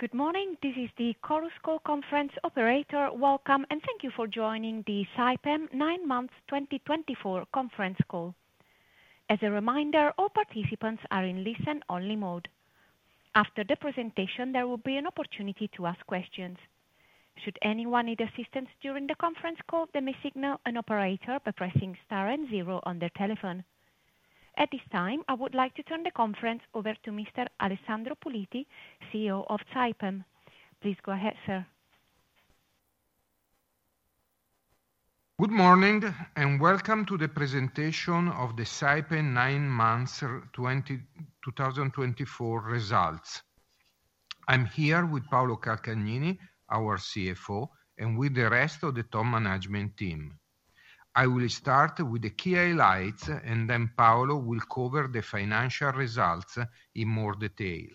Good morning. This is the Chorus Call Conference operator. Welcome, and thank you for joining the Saipem nine months 2024 conference call. As a reminder, all participants are in listen-only mode. After the presentation, there will be an opportunity to ask questions. Should anyone need assistance during the conference call, they may signal an operator by pressing star and zero on their telephone. At this time, I would like to turn the conference over to Mr. Alessandro Puliti, CEO of Saipem. Please go ahead, sir. Good morning, and welcome to the presentation of the Saipem nine months 2024 results. I'm here with Paolo Calcagnini, our CFO, and with the rest of the top management team. I will start with the key highlights, and then Paolo will cover the financial results in more detail.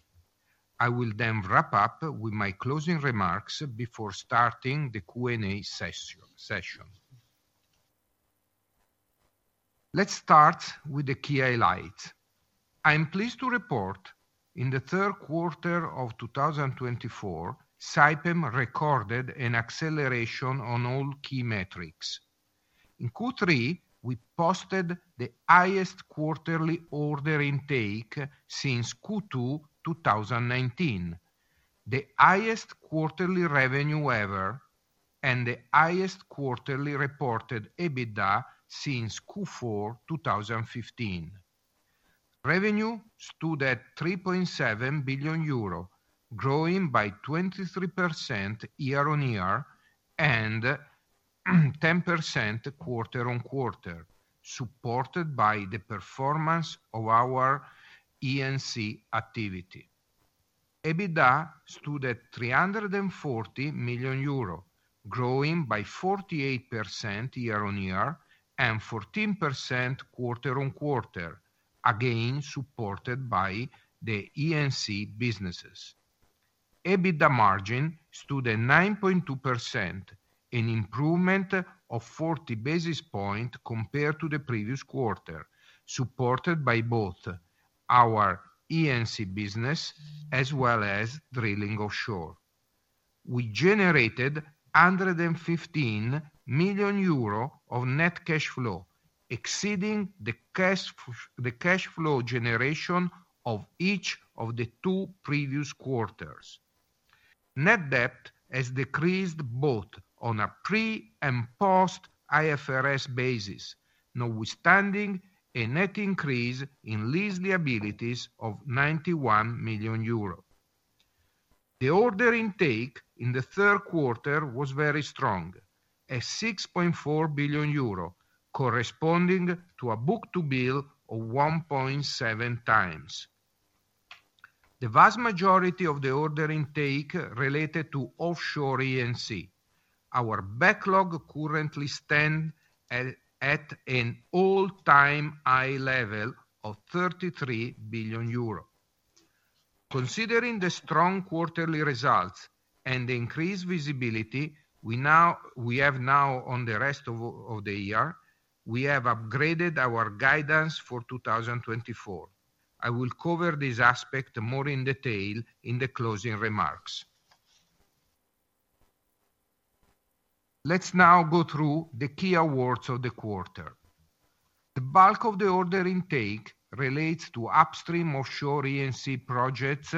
I will then wrap up with my closing remarks before starting the Q&A session. Let's start with the key highlights. I am pleased to report, in the third quarter of two thousand and twenty-four, Saipem recorded an acceleration on all key metrics. In Q3, we posted the highest quarterly order intake since Q2 two thousand and nineteen, the highest quarterly revenue ever, and the highest quarterly reported EBITDA since Q4 two thousand and fifteen. Revenue stood at 3.7 billion euro, growing by 23% year on year and 10% quarter on quarter, supported by the performance of our E&C activity. EBITDA stood at 340 million euro, growing by 48% year on year and 14% quarter on quarter, again, supported by the E&C businesses. EBITDA margin stood at 9.2%, an improvement of 40 basis points compared to the previous quarter, supported by both our E&C business as well as drilling offshore. We generated 115 million euro of net cash flow, exceeding the cash flow generation of each of the two previous quarters. Net debt has decreased both on a pre and post IFRS basis, notwithstanding a net increase in lease liabilities of 91 million euro. The order intake in the third quarter was very strong, at 6.4 billion euro, corresponding to a book-to-bill of 1.7 times. The vast majority of the order intake related to offshore E&C. Our backlog currently stands at an all-time high level of 33 billion euro. Considering the strong quarterly results and the increased visibility, we now have on the rest of the year, we have upgraded our guidance for 2024. I will cover this aspect more in detail in the closing remarks. Let's now go through the key awards of the quarter. The bulk of the order intake relates to upstream offshore E&C projects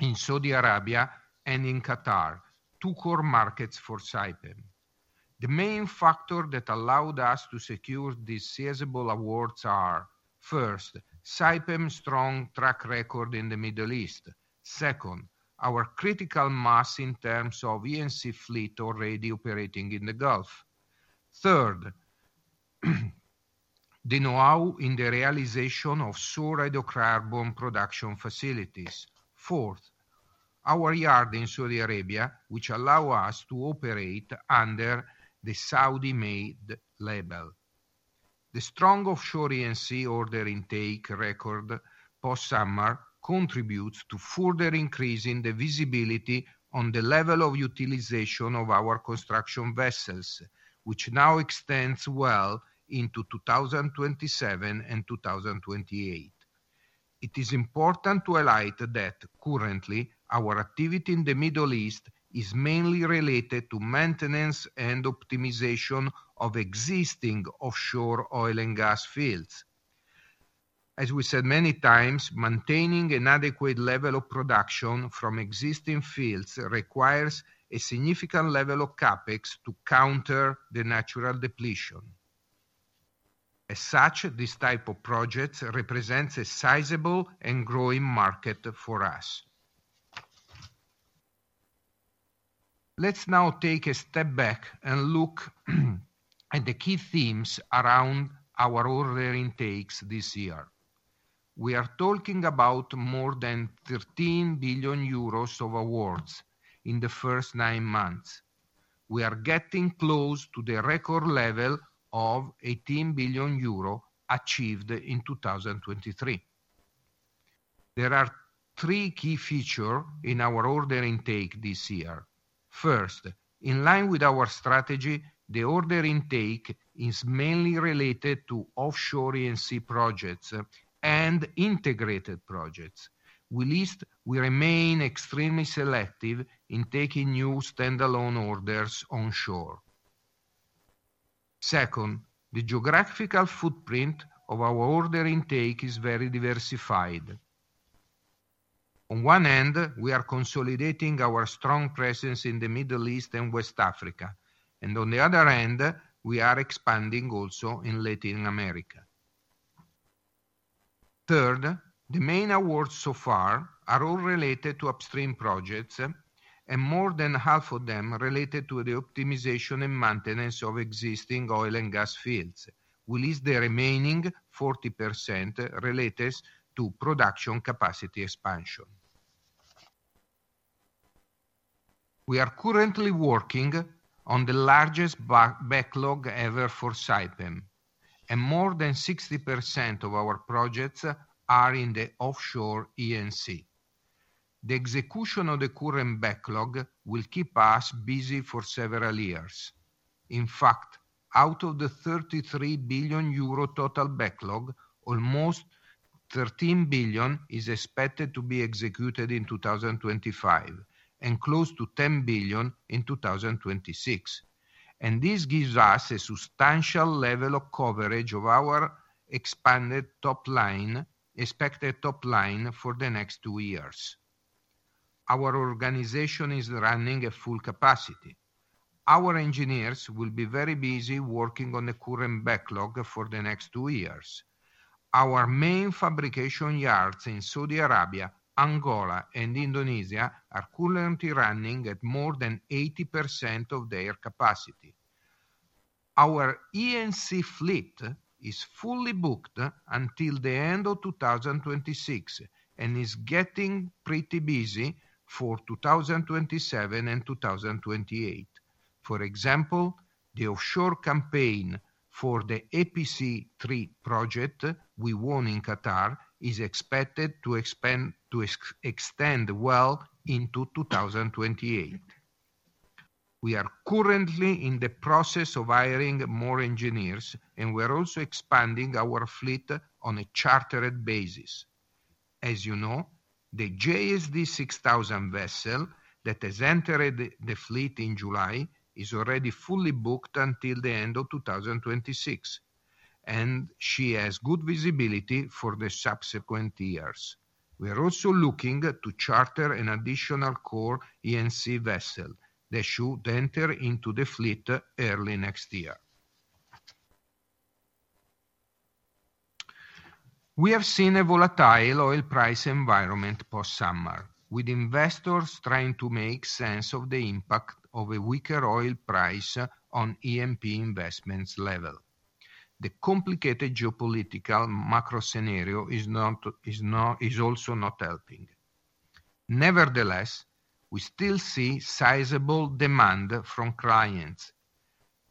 in Saudi Arabia and in Qatar, two core markets for Saipem. The main factor that allowed us to secure these sizable awards is, first, Saipem's strong track record in the Middle East. Second, our critical mass in terms of E&C fleet already operating in the Gulf. Third, the know-how in the realization of onshore hydrocarbon production facilities. Fourth, our yard in Saudi Arabia, which allow us to operate under the Saudi Made label. The strong offshore E&C order intake record post-summer contributes to further increasing the visibility on the level of utilization of our construction vessels, which now extends well into 2027 and 2028. It is important to highlight that currently, our activity in the Middle East is mainly related to maintenance and optimization of existing offshore oil and gas fields. As we said many times, maintaining an adequate level of production from existing fields requires a significant level of CapEx to counter the natural depletion. As such, this type of projects represents a sizable and growing market for us. Let's now take a step back and look at the key themes around our order intakes this year. We are talking about more than 13 billion euros of awards in the first nine months. We are getting close to the record level of 18 billion euro achieved in two thousand and twenty-three. There are three key features in our order intake this year. First, in line with our strategy, the order intake is mainly related to offshore E&C projects and integrated projects. We remain extremely selective in taking new standalone orders onshore. Second, the geographical footprint of our order intake is very diversified. On one end, we are consolidating our strong presence in the Middle East and West Africa, and on the other end, we are expanding also in Latin America. Third, the main awards so far are all related to upstream projects, and more than half of them related to the optimization and maintenance of existing oil and gas fields, with at least the remaining 40% relates to production capacity expansion. We are currently working on the largest backlog ever for Saipem, and more than 60% of our projects are in the offshore E&C. The execution of the current backlog will keep us busy for several years. In fact, out of the 33 billion euro total backlog, almost 13 billion is expected to be executed in two thousand and twenty-five, and close to 10 billion in two thousand and twenty-six. And this gives us a substantial level of coverage of our expanded top line, expected top line for the next two years. Our organization is running at full capacity. Our engineers will be very busy working on the current backlog for the next two years. Our main fabrication yards in Saudi Arabia, Angola, and Indonesia are currently running at more than 80% of their capacity. Our E&C fleet is fully booked until the end of 2026, and is getting pretty busy for 2027 and 2028. For example, the offshore campaign for the EPC3 project we won in Qatar is expected to expand to extend well into 2028. We are currently in the process of hiring more engineers, and we're also expanding our fleet on a chartered basis. As you know, the JSD 6000 vessel that has entered the fleet in July is already fully booked until the end of 2026, and she has good visibility for the subsequent years. We are also looking to charter an additional core E&C vessel that should enter into the fleet early next year. We have seen a volatile oil price environment post-summer, with investors trying to make sense of the impact of a weaker oil price on E&P investments level. The complicated geopolitical macro scenario is not also helping. Nevertheless, we still see sizable demand from clients.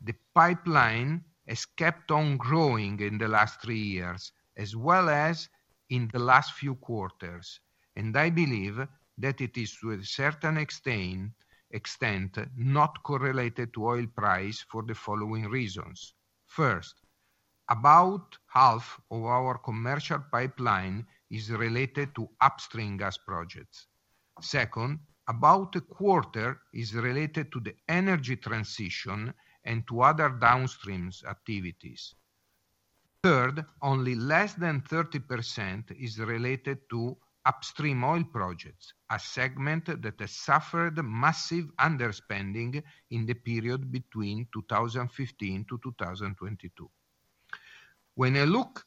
The pipeline has kept on growing in the last three years, as well as in the last few quarters, and I believe that it is to a certain extent not correlated to oil price for the following reasons: First, about half of our commercial pipeline is related to upstream gas projects. Second, about a quarter is related to the energy transition and to other downstream activities. Third, only less than 30% is related to upstream oil projects, a segment that has suffered massive underspending in the period between 2015 to 2022. When I look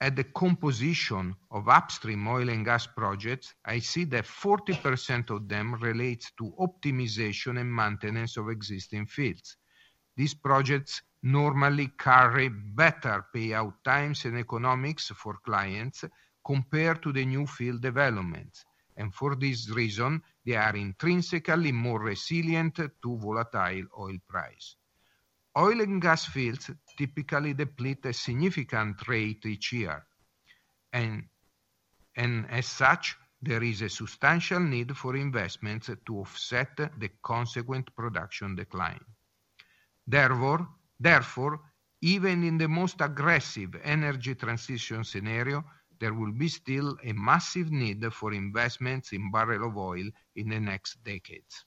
at the composition of upstream oil and gas projects, I see that 40% of them relates to optimization and maintenance of existing fields. These projects normally carry better payout times and economics for clients, compared to the new field developments, and for this reason, they are intrinsically more resilient to volatile oil price. Oil and gas fields typically deplete a significant rate each year, and as such, there is a substantial need for investments to offset the consequent production decline. Therefore, even in the most aggressive energy transition scenario, there will be still a massive need for investments in barrel of oil in the next decades.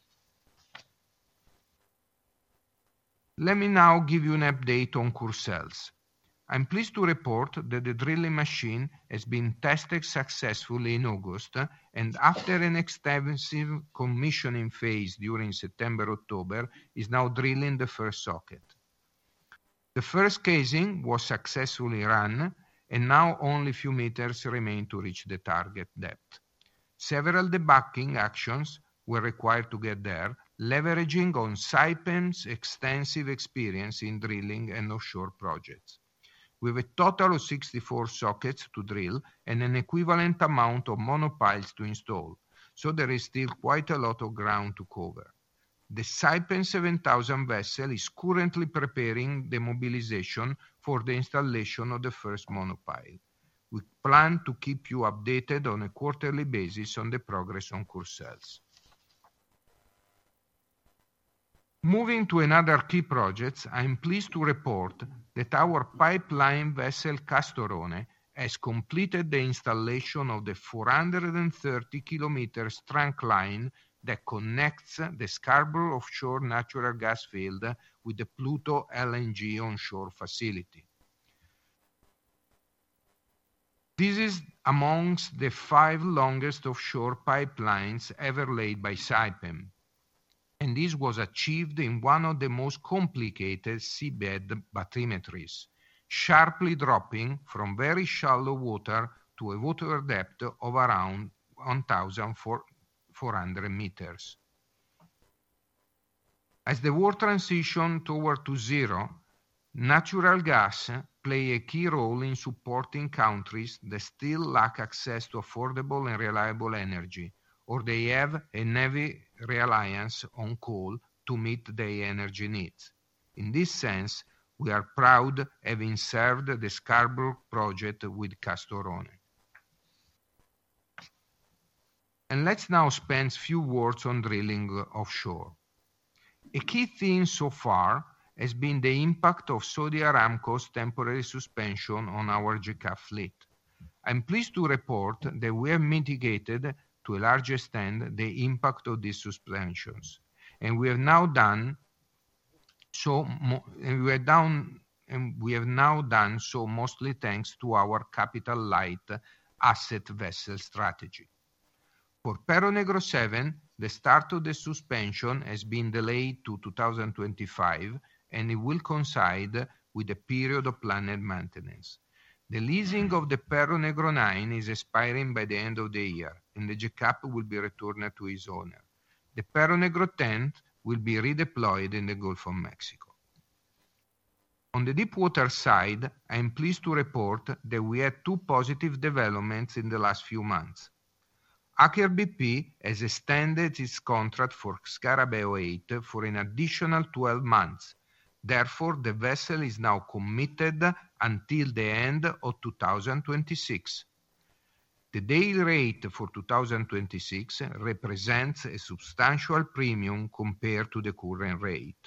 Let me now give you an update on Courseulles-sur-Mer. I'm pleased to report that the drilling machine has been tested successfully in August, and after an extensive commissioning phase during September, October, is now drilling the first socket. The first casing was successfully run, and now only a few meters remain to reach the target depth. Several debugging actions were required to get there, leveraging on Saipem's extensive experience in drilling and offshore projects. With a total of 64 sockets to drill and an equivalent amount of monopiles to install, so there is still quite a lot of ground to cover. The Saipem 7000 vessel is currently preparing the mobilization for the installation of the first monopile. We plan to keep you updated on a quarterly basis on the progress on Courseulles-sur-Mer. Moving to another key project, I'm pleased to report that our pipeline vessel, Castorone, has completed the installation of the 430-kilometer trunk line that connects the Scarborough offshore natural gas field with the Pluto LNG onshore facility. This is among the five longest offshore pipelines ever laid by Saipem, and this was achieved in one of the most complicated seabed bathymetries, sharply dropping from very shallow water to a water depth of around 1,400 meters. As the world transitions towards net zero, natural gas plays a key role in supporting countries that still lack access to affordable and reliable energy, or they have a heavy reliance on coal to meet their energy needs. In this sense, we are proud to have served the Scarborough project with Castorone. Let's now spend a few words on drilling offshore. A key theme so far has been the impact of Saudi Aramco's temporary suspension on our jackup fleet. I'm pleased to report that we have mitigated, to a large extent, the impact of these suspensions, and we have now done so mostly thanks to our capital light asset vessel strategy. For Perro Negro 7, the start of the suspension has been delayed to 2025, and it will coincide with a period of planned maintenance. The leasing of the Perro Negro Nine is expiring by the end of the year, and the jackup will be returned to its owner. The Perro Negro Ten will be redeployed in the Gulf of Mexico. On the deepwater side, I am pleased to report that we had two positive developments in the last few months. Aker BP has extended its contract for Scarabeo 8 for an additional twelve months. Therefore, the vessel is now committed until the end of two thousand and twenty-six. The day rate for two thousand and twenty-six represents a substantial premium compared to the current rate.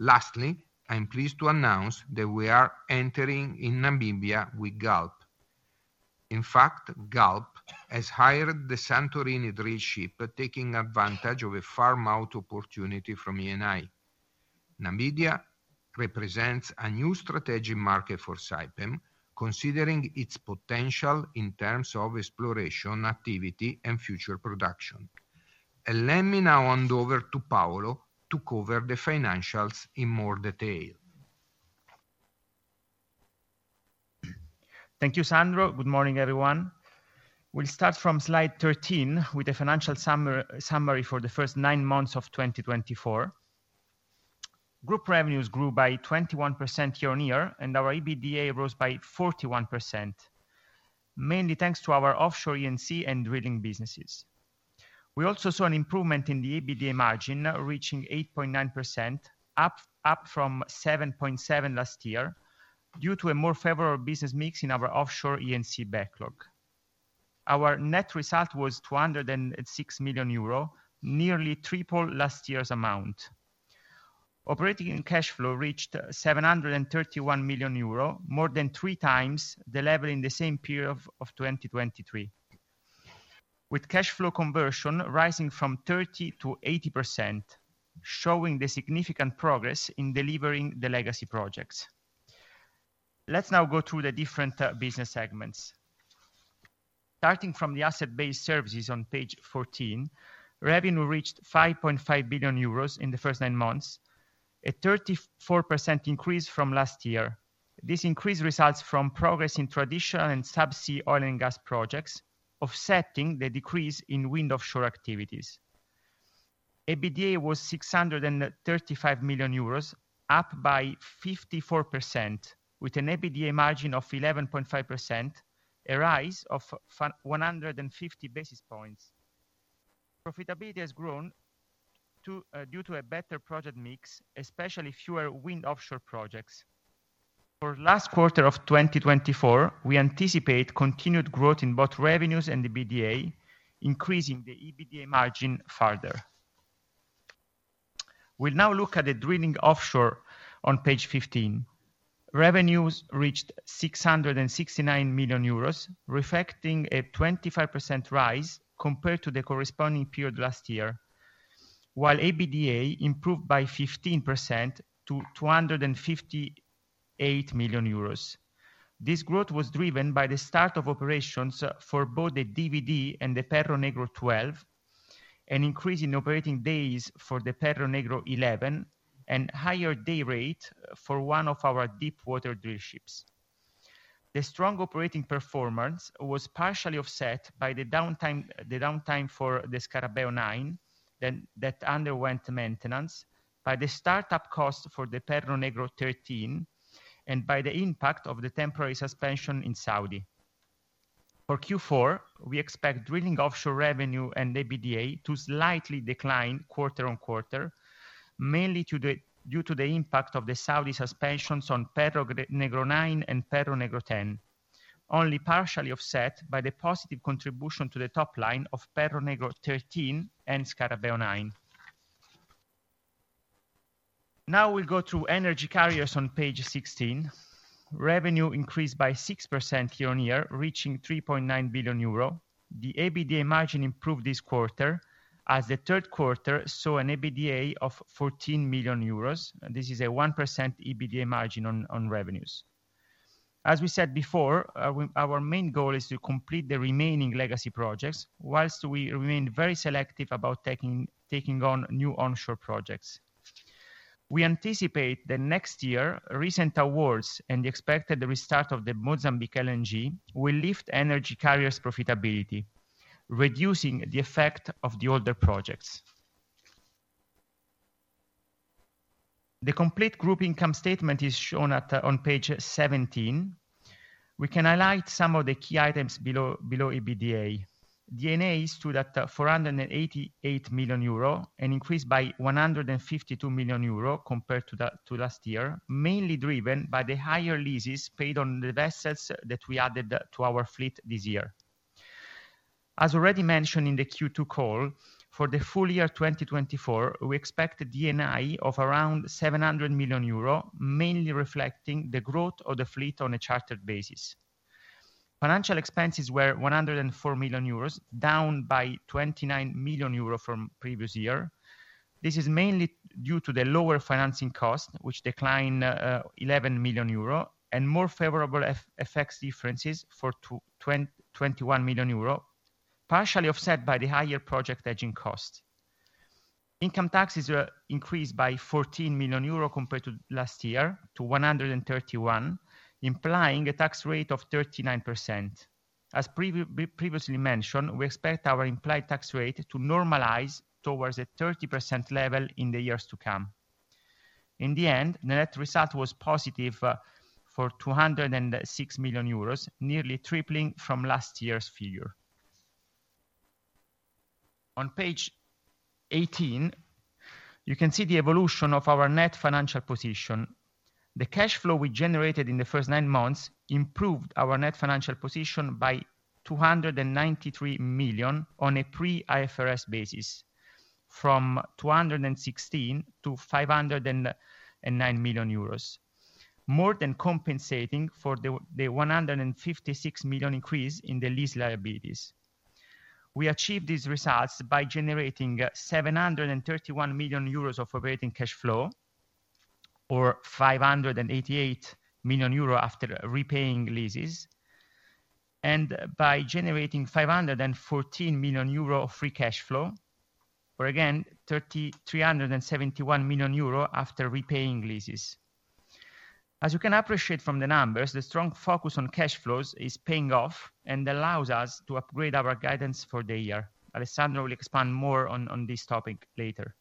Lastly, I'm pleased to announce that we are entering in Namibia with Galp. In fact, Galp has hired the Santorini drillship, taking advantage of a farm out opportunity from Eni. Namibia represents a new strategic market for Saipem, considering its potential in terms of exploration, activity, and future production. Let me now hand over to Paolo to cover the financials in more detail. Thank you, Sandro. Good morning, everyone. We'll start from slide 13, with a financial summary for the first nine months of 2024. Group revenues grew by 21% year on year, and our EBITDA rose by 41%, mainly thanks to our offshore E&C and drilling businesses. We also saw an improvement in the EBITDA margin, reaching 8.9%, up from 7.7% last year, due to a more favorable business mix in our offshore E&C backlog. Our net result was 206 million euro, nearly triple last year's amount. Operating cash flow reached 731 million euro, more than three times the level in the same period of 2023, with cash flow conversion rising from 30% to 80%, showing the significant progress in delivering the legacy projects. Let's now go through the different business segments. Starting from the asset-based services on page 14, revenue reached 5.5 billion euros in the first nine months, a 34% increase from last year. This increase results from progress in traditional and subsea oil and gas projects, offsetting the decrease in wind offshore activities. EBITDA was 635 million euros, up by 54%, with an EBITDA margin of 11.5%, a rise of one hundred and fifty basis points. Profitability has grown due to a better project mix, especially fewer wind offshore projects. For the last quarter of 2024, we anticipate continued growth in both revenues and EBITDA, increasing the EBITDA margin further. We'll now look at the drilling offshore on page 15. Revenues reached 669 million euros, reflecting a 25% rise compared to the corresponding period last year, while EBITDA improved by 15% to 258 million euros. This growth was driven by the start of operations for both the Deep Value Driller and the Perro Negro 12, an increase in operating days for the Perro Negro 11, and higher day rate for one of our deepwater drillships. The strong operating performance was partially offset by the downtime for the Scarabeo 9 that underwent maintenance, by the startup cost for the Perro Negro 13, and by the impact of the temporary suspension in Saudi. For Q4, we expect drilling offshore revenue and EBITDA to slightly decline quarter on quarter, mainly due to the impact of the Saudi suspensions on Perro Negro 9 and Perro Negro 10. Only partially offset by the positive contribution to the top line of Perro Negro 13 and Scarabeo 9. Now we'll go through energy carriers on page 16. Revenue increased by 6% year on year, reaching 3.9 billion euro. The EBITDA margin improved this quarter, as the third quarter saw an EBITDA of 14 million euros, and this is a 1% EBITDA margin on revenues. As we said before, our main goal is to complete the remaining legacy projects, while we remain very selective about taking on new onshore projects. We anticipate that next year, recent awards and the expected restart of the Mozambique LNG will lift energy carriers profitability, reducing the effect of the older projects. The complete group income statement is shown on page 17. We can highlight some of the key items below EBITDA. Net debt stood at 488 million euro, and increased by 152 million euro compared to last year, mainly driven by the higher leases paid on the vessels that we added to our fleet this year. As already mentioned in the Q2 call, for the full year 2024, we expect a net debt of around 700 million euro, mainly reflecting the growth of the fleet on a chartered basis. Financial expenses were 104 million euros, down by 29 million euros from previous year. This is mainly due to the lower financing cost, which declined 11 million euro, and more favorable FX differences for 21 million euro, partially offset by the higher project hedging cost. Income taxes were increased by 14 million euro compared to last year, to 131, implying a tax rate of 39%. As previously mentioned, we expect our implied tax rate to normalize towards a 30% level in the years to come. In the end, net result was positive for 206 million euros, nearly tripling from last year's figure. On page eighteen, you can see the evolution of our net financial position. The cash flow we generated in the first nine months improved our net financial position by 293 million on a pre-IFRS basis, from 216 to 509 million euros. More than compensating for the 156 million increase in the lease liabilities. We achieved these results by generating seven hundred and thirty-one million euros of operating cash flow, or five hundred and eighty-eight million euro after repaying leases, and by generating five hundred and fourteen million euro of free cash flow, or again, three hundred and seventy-one million euro after repaying leases. As you can appreciate from the numbers, the strong focus on cash flows is paying off and allows us to upgrade our guidance for the year. Alessandro will expand more on this topic later.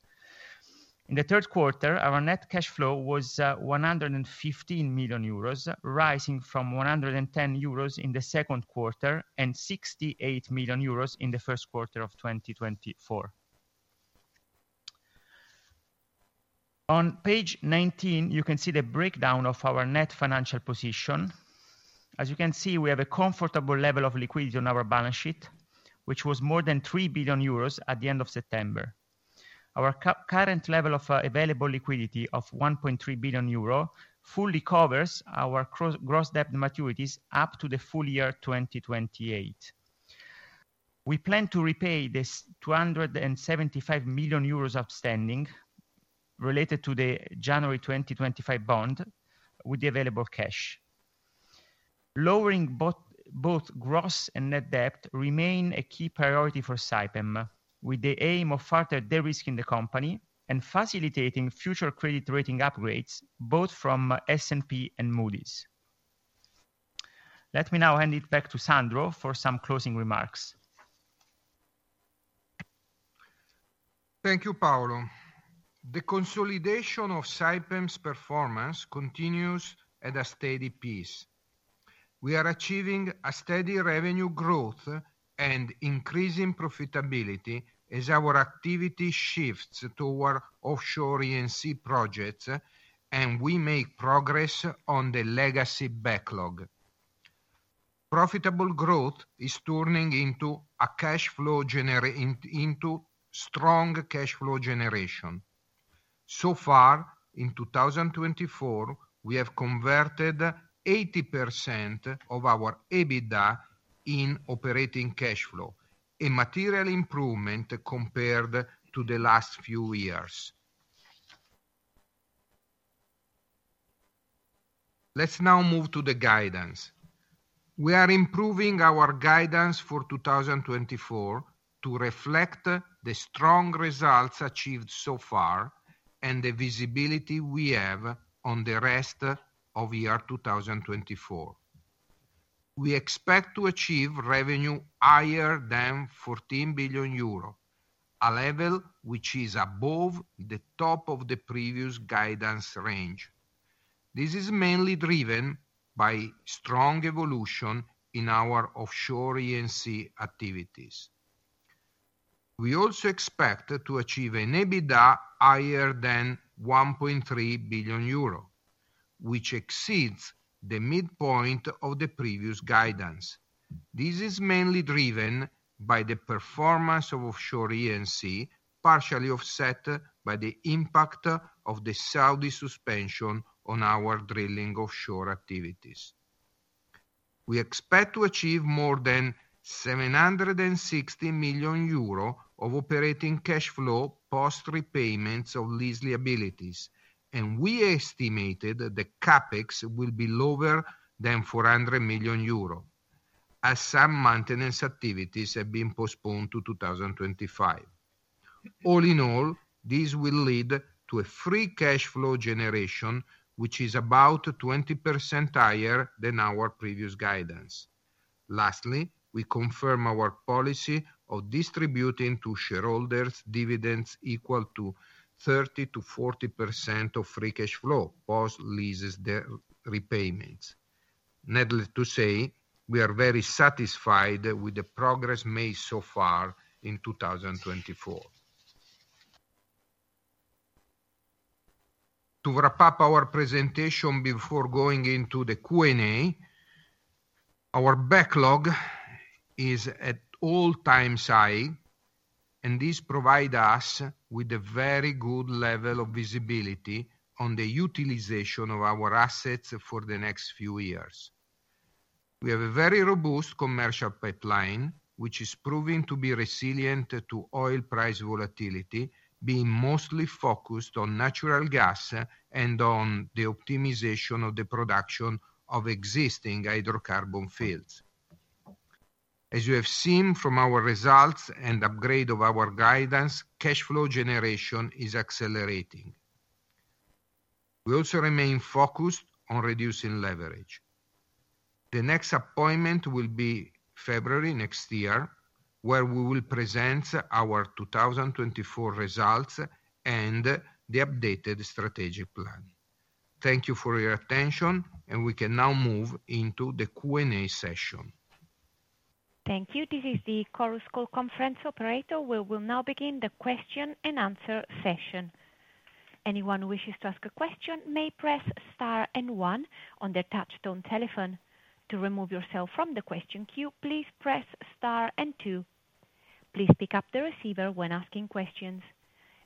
In the third quarter, our net cash flow was one hundred and fifteen million euros, rising from one hundred and ten million euros in the second quarter, and sixty-eight million euros in the first quarter of twenty twenty-four. On page 19, you can see the breakdown of our net financial position. As you can see, we have a comfortable level of liquidity on our balance sheet, which was more than 3 billion euros at the end of September. Our current level of available liquidity of 1.3 billion euro fully covers our gross debt maturities up to the full year 2028. We plan to repay this 275 million euros outstanding, related to the January 2025 bond, with the available cash. Lowering both gross and net debt remain a key priority for Saipem, with the aim of further de-risking the company and facilitating future credit rating upgrades, both from S&P and Moody's. Let me now hand it back to Sandro for some closing remarks. Thank you, Paolo. The consolidation of Saipem's performance continues at a steady pace. We are achieving a steady revenue growth and increasing profitability as our activity shifts toward offshore ENC projects, and we make progress on the legacy backlog. Profitable growth is turning into strong cash flow generation. So far, in 2024, we have converted 80% of our EBITDA into operating cash flow, a material improvement compared to the last few years. Let's now move to the guidance. We are improving our guidance for 2024, to reflect the strong results achieved so far and the visibility we have on the rest of year 2024. We expect to achieve revenue higher than 14 billion euro, a level which is above the top of the previous guidance range. This is mainly driven by strong evolution in our offshore E&C activities. We also expect to achieve an EBITDA higher than 1.3 billion euro, which exceeds the midpoint of the previous guidance. This is mainly driven by the performance of offshore E&C, partially offset by the impact of the Saudi suspension on our drilling offshore activities. We expect to achieve more than 760 million euro of operating cash flow, post repayments of lease liabilities, and we estimated that the CapEx will be lower than 400 million euro, as some maintenance activities have been postponed to 2025. All in all, this will lead to a free cash flow generation, which is about 20% higher than our previous guidance. Lastly, we confirm our policy of distributing to shareholders dividends equal to 30%-40% of free cash flow, post leases the repayments. Needless to say, we are very satisfied with the progress made so far in two thousand and twenty-four. To wrap up our presentation before going into the Q&A, our backlog is at all-time high, and this provide us with a very good level of visibility on the utilization of our assets for the next few years. We have a very robust commercial pipeline, which is proving to be resilient to oil price volatility, being mostly focused on natural gas and on the optimization of the production of existing hydrocarbon fields. As you have seen from our results and upgrade of our guidance, cash flow generation is accelerating. We also remain focused on reducing leverage. The next appointment will be February next year, where we will present our 2024 results and the updated strategic plan. Thank you for your attention, and we can now move into the Q&A session. Thank you. This is the Chorus Call conference operator. We will now begin the question-and-answer session. Anyone who wishes to ask a question may press star and one on their touch-tone telephone. To remove yourself rom the question queue, please press star and two. Please pick up the receiver when asking questions.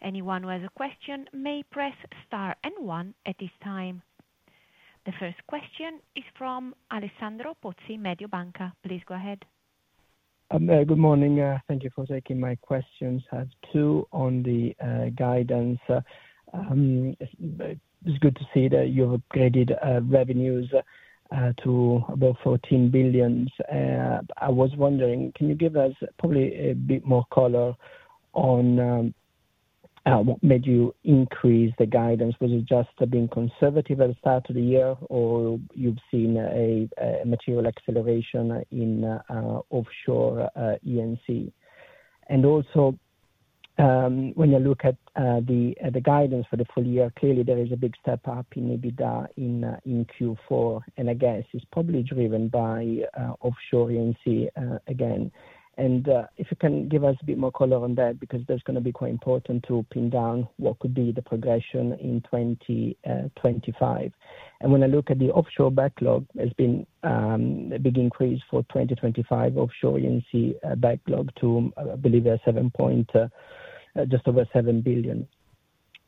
Anyone who has a question may press star and one at this time. The first question is from Alessandro Pozzi, Mediobanca. Please go ahead. Good morning, thank you for taking my questions. I have two on the guidance. It's good to see that you've upgraded revenues to about 14 billion. I was wondering, can you give us probably a bit more color on what made you increase the guidance? Was it just being conservative at the start of the year, or you've seen a material acceleration in offshore E&C? And also, when you look at the guidance for the full year, clearly there is a big step up in EBITDA in Q4, and again, it's probably driven by offshore E&C again. And if you can give us a bit more color on that, because that's gonna be quite important to pin down what could be the progression in 2025. And when I look at the offshore backlog, there's been a big increase for 2025 offshore E&C backlog to, I believe, a seven point just over 7 billion.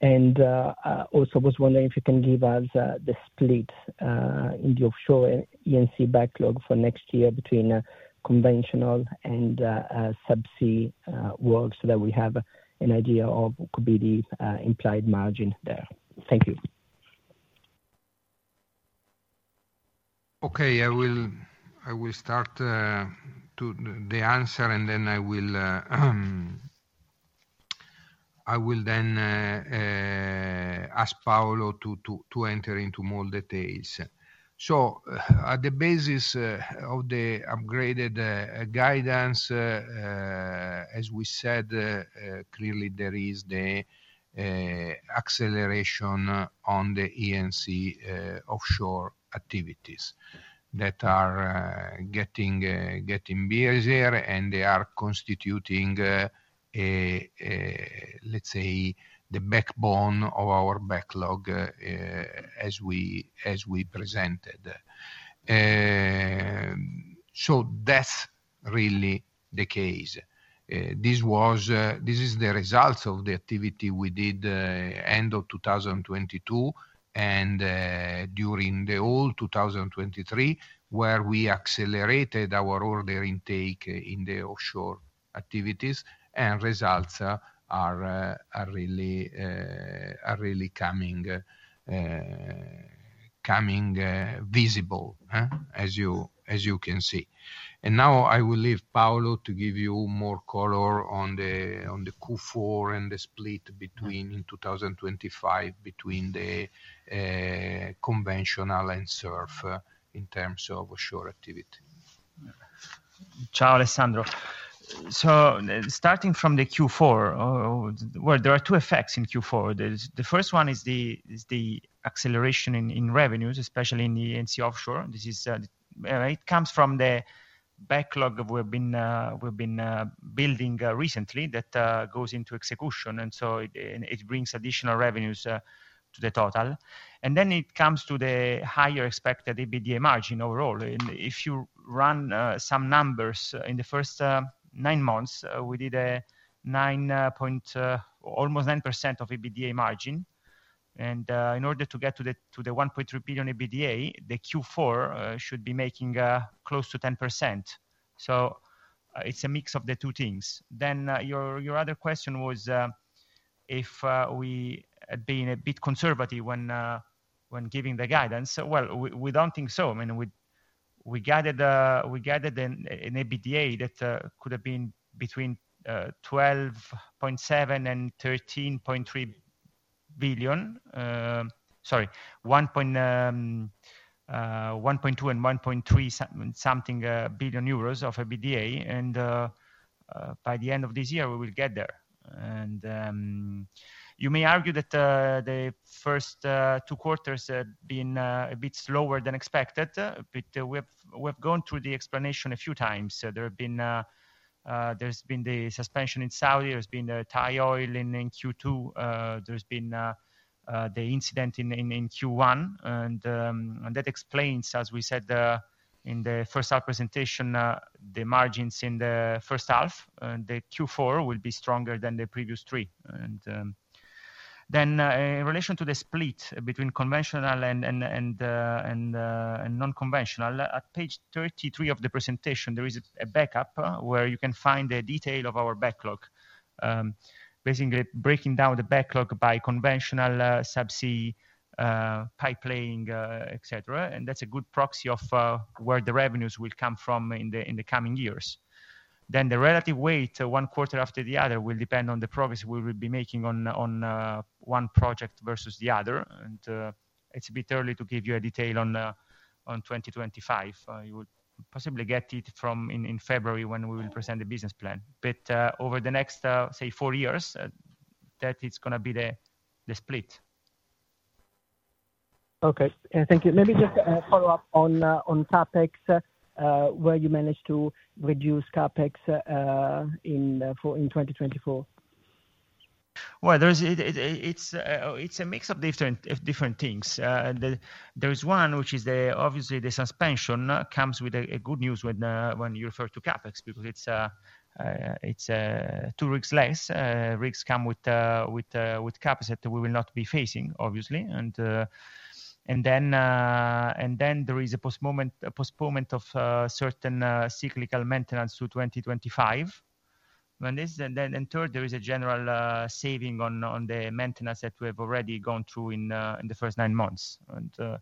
And I also was wondering if you can give us the split in the offshore E&C backlog for next year between conventional and subsea work, so that we have an idea of what could be the implied margin there. Thank you. Okay. I will start to answer, and then I will ask Paolo to enter into more details. At the basis of the upgraded guidance, as we said, clearly there is the acceleration on the E&C offshore activities that are getting busier, and they are constituting a, let's say, the backbone of our backlog, as we presented. That's really the case. This is the results of the activity we did end of 2022, and during the whole 2023, where we accelerated our order intake in the offshore activities, and results are really coming visible, huh? As you can see, and now I will leave Paolo to give you more color on the Q4 and the split between two thousand and twenty-five, between conventional and SURF in terms of offshore activity. Ciao, Alessandro.... So, starting from the Q4, well, there are two effects in Q4. There's the first one is the acceleration in revenues, especially in the E&C offshore. This is, it comes from the backlog that we've been building recently that goes into execution, and so it, and it brings additional revenues to the total. And then it comes to the higher expected EBITDA margin overall. And if you run some numbers, in the first nine months, we did a nine-point almost 10% EBITDA margin. And in order to get to the 1.3 billion EUR EBITDA, the Q4 should be making close to 10%. So it's a mix of the two things. Then, your other question was if we had been a bit conservative when giving the guidance. Well, we don't think so. I mean, we gathered an EBITDA that could have been between 12.7 and 13.3 billion. Sorry, 1.2 and 1.3 billion EUR, and by the end of this year, we will get there. And you may argue that the first two quarters had been a bit slower than expected, but we have gone through the explanation a few times. So there have been, there's been the suspension in Saudi, there's been the Thai Oil in Q2. There's been the incident in Q1, and that explains, as we said, in the first half presentation, the margins in the first half, and the Q4 will be stronger than the previous three. And then, in relation to the split between conventional and non-conventional, at page thirty-three of the presentation, there is a backup where you can find the detail of our backlog. Basically breaking down the backlog by conventional, subsea, pipelaying, et cetera. And that's a good proxy of where the revenues will come from in the coming years. Then the relative weight, one quarter after the other, will depend on the progress we will be making on one project versus the other. It's a bit early to give you a detail on 2025. You would possibly get it from in February, when we will present the business plan. But over the next, say, four years, that is gonna be the split. Okay, thank you. Let me just follow up on CapEx, where you managed to reduce CapEx in 2024. There it is. It's a mix of different things. There is one, which is obviously the suspension comes with good news when you refer to CapEx, because it's two rigs less. Rigs come with CapEx that we will not be facing, obviously. And then there is a postponement of certain cyclical maintenance to twenty twenty-five. And then, third, there is a general saving on the maintenance that we have already gone through in the first nine months. And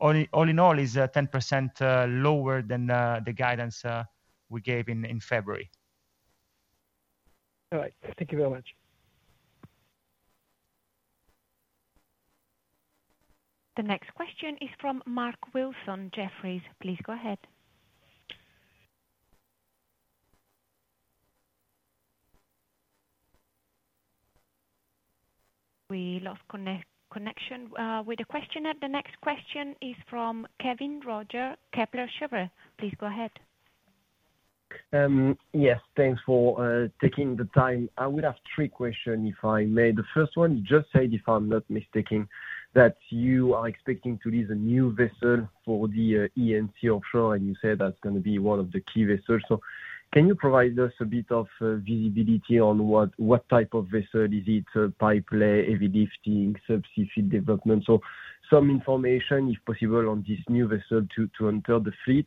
all in all, is 10% lower than the guidance we gave in February. All right. Thank you very much. The next question is from Mark Wilson, Jefferies. Please go ahead. We lost connection with the questioner. The next question is from Kevin Roger, Kepler Cheuvreux. Please go ahead. Yes, thanks for taking the time. I would have three question, if I may. The first one, you just said, if I'm not mistaken, that you are expecting to lease a new vessel for the E&C offshore, and you said that's gonna be one of the key vessels. So can you provide us a bit of visibility on what type of vessel is it, pipelay, heavy lifting, subsea field development? So some information, if possible, on this new vessel to enter the fleet.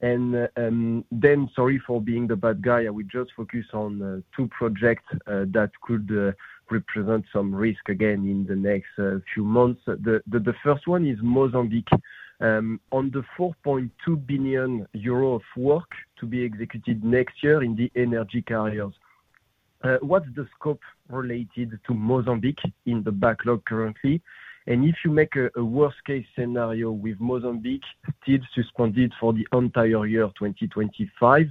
Then sorry for being the bad guy. I will just focus on two projects that could represent some risk again in the next few months. The first one is Mozambique. On the 4.2 billion euro of work to be executed next year in the energy carriers, what's the scope related to Mozambique in the backlog currently? And if you make a worst case scenario with Mozambique till suspended for the entire year of 2025,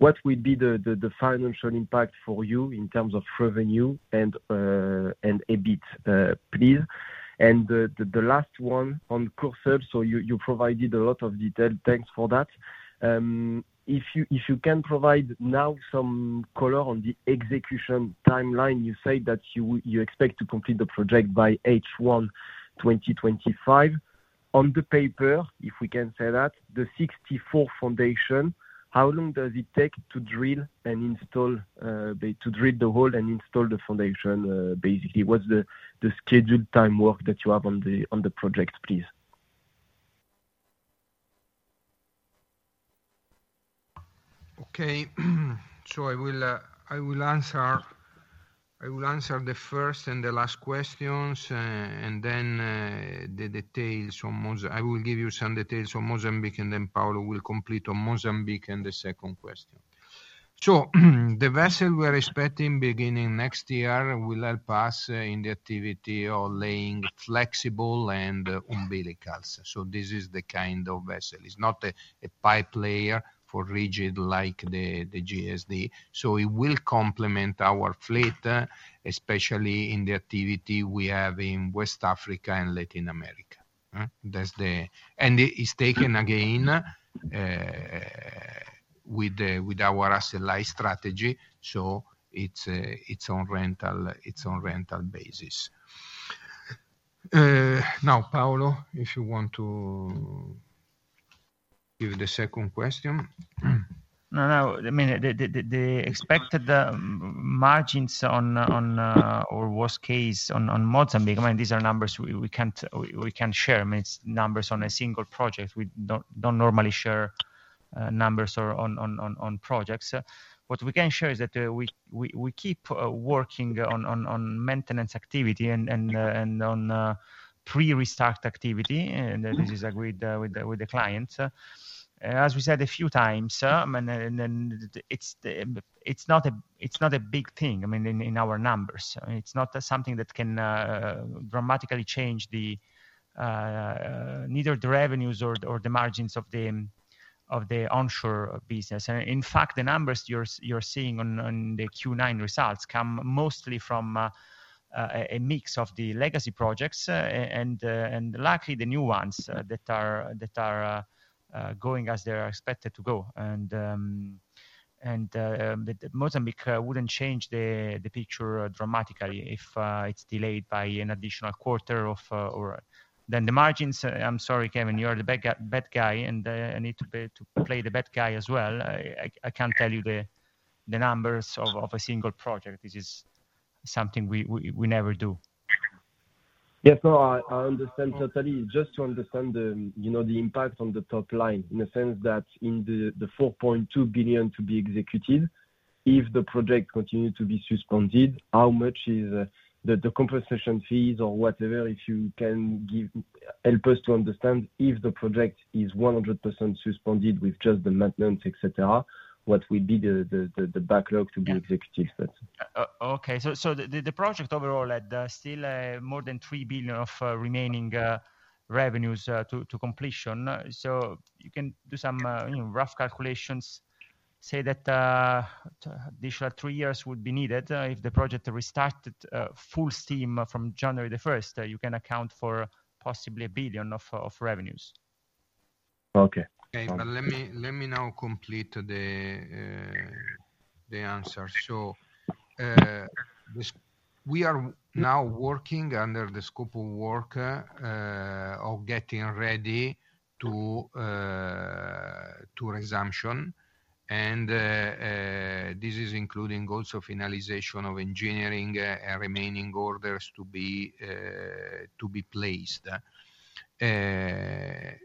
what will be the financial impact for you in terms of revenue and EBITDA, please? And the last one on Courseulles-sur-Mer, so you provided a lot of detail. Thanks for that. If you can provide now some color on the execution timeline. You say that you expect to complete the project by H1 2025. On the paper, if we can say that, the 64 foundation, how long does it take to drill the hole and install the foundation, basically? What's the scheduled time work that you have on the project, please? Okay, so I will answer the first and the last questions, and then I will give you some details on Mozambique, and then Paolo will complete on Mozambique and the second question.... So, the vessel we're expecting beginning next year will help us in the activity of laying flexible and umbilicals. So this is the kind of vessel. It's not a pipe layer for rigid like the JSD, so it will complement our fleet, especially in the activity we have in West Africa and Latin America. That's it. And it is taken again with our asset light strategy, so it's on rental, it's on rental basis. Now, Paolo, if you want to give the second question? No, no, I mean, the expected margins on or worst case on Mozambique, I mean, these are numbers we can't share. I mean, it's numbers on a single project. We don't normally share numbers on projects. What we can share is that we keep working on maintenance activity and on pre-restart activity. And this is agreed with the clients. As we said a few times, and then it's not a big thing, I mean, in our numbers. I mean, it's not something that can dramatically change neither the revenues or the margins of the onshore business. And in fact, the numbers you're seeing on the Q3 results come mostly from a mix of the legacy projects and luckily the new ones that are going as they are expected to go. But Mozambique wouldn't change the picture dramatically if it's delayed by an additional quarter. Or then the margins, I'm sorry, Kevin, you are the bad guy, and I need to play the bad guy as well. I can't tell you the numbers of a single project. This is something we never do. Yeah, no, I understand totally. Just to understand the, you know, the impact on the top line, in the sense that in the, the 4.2 billion to be executed, if the project continue to be suspended, how much is, the compensation fees or whatever, if you can help us to understand if the project is 100% suspended with just the maintenance, et cetera, what will be the backlog to be executed? Yeah. Okay. So the project overall had still more than 3 billion of remaining revenues to completion. So you can do some you know rough calculations, say that additional three years would be needed if the project restarted full steam from January the first, you can account for possibly a billion of revenues. Okay. But let me now complete the answer. So we are now working under the scope of work of getting ready to resumption. And this is including also finalization of engineering and remaining orders to be placed.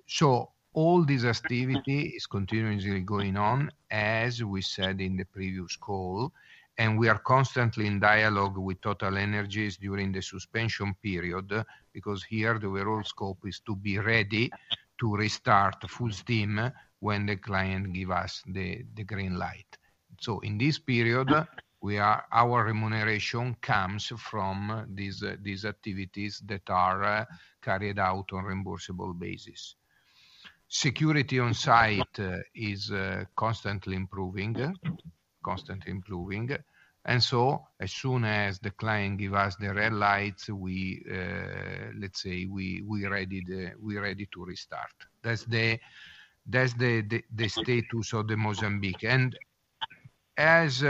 So all this activity is continuously going on, as we said in the previous call, and we are constantly in dialogue with TotalEnergies during the suspension period, because here the overall scope is to be ready to restart full steam when the client give us the green light. So in this period, our remuneration comes from these activities that are carried out on reimbursable basis. Security on site is constantly improving, constantly improving. So as soon as the client give us the red light, let's say, we're ready to restart. That's the status of the Mozambique. And as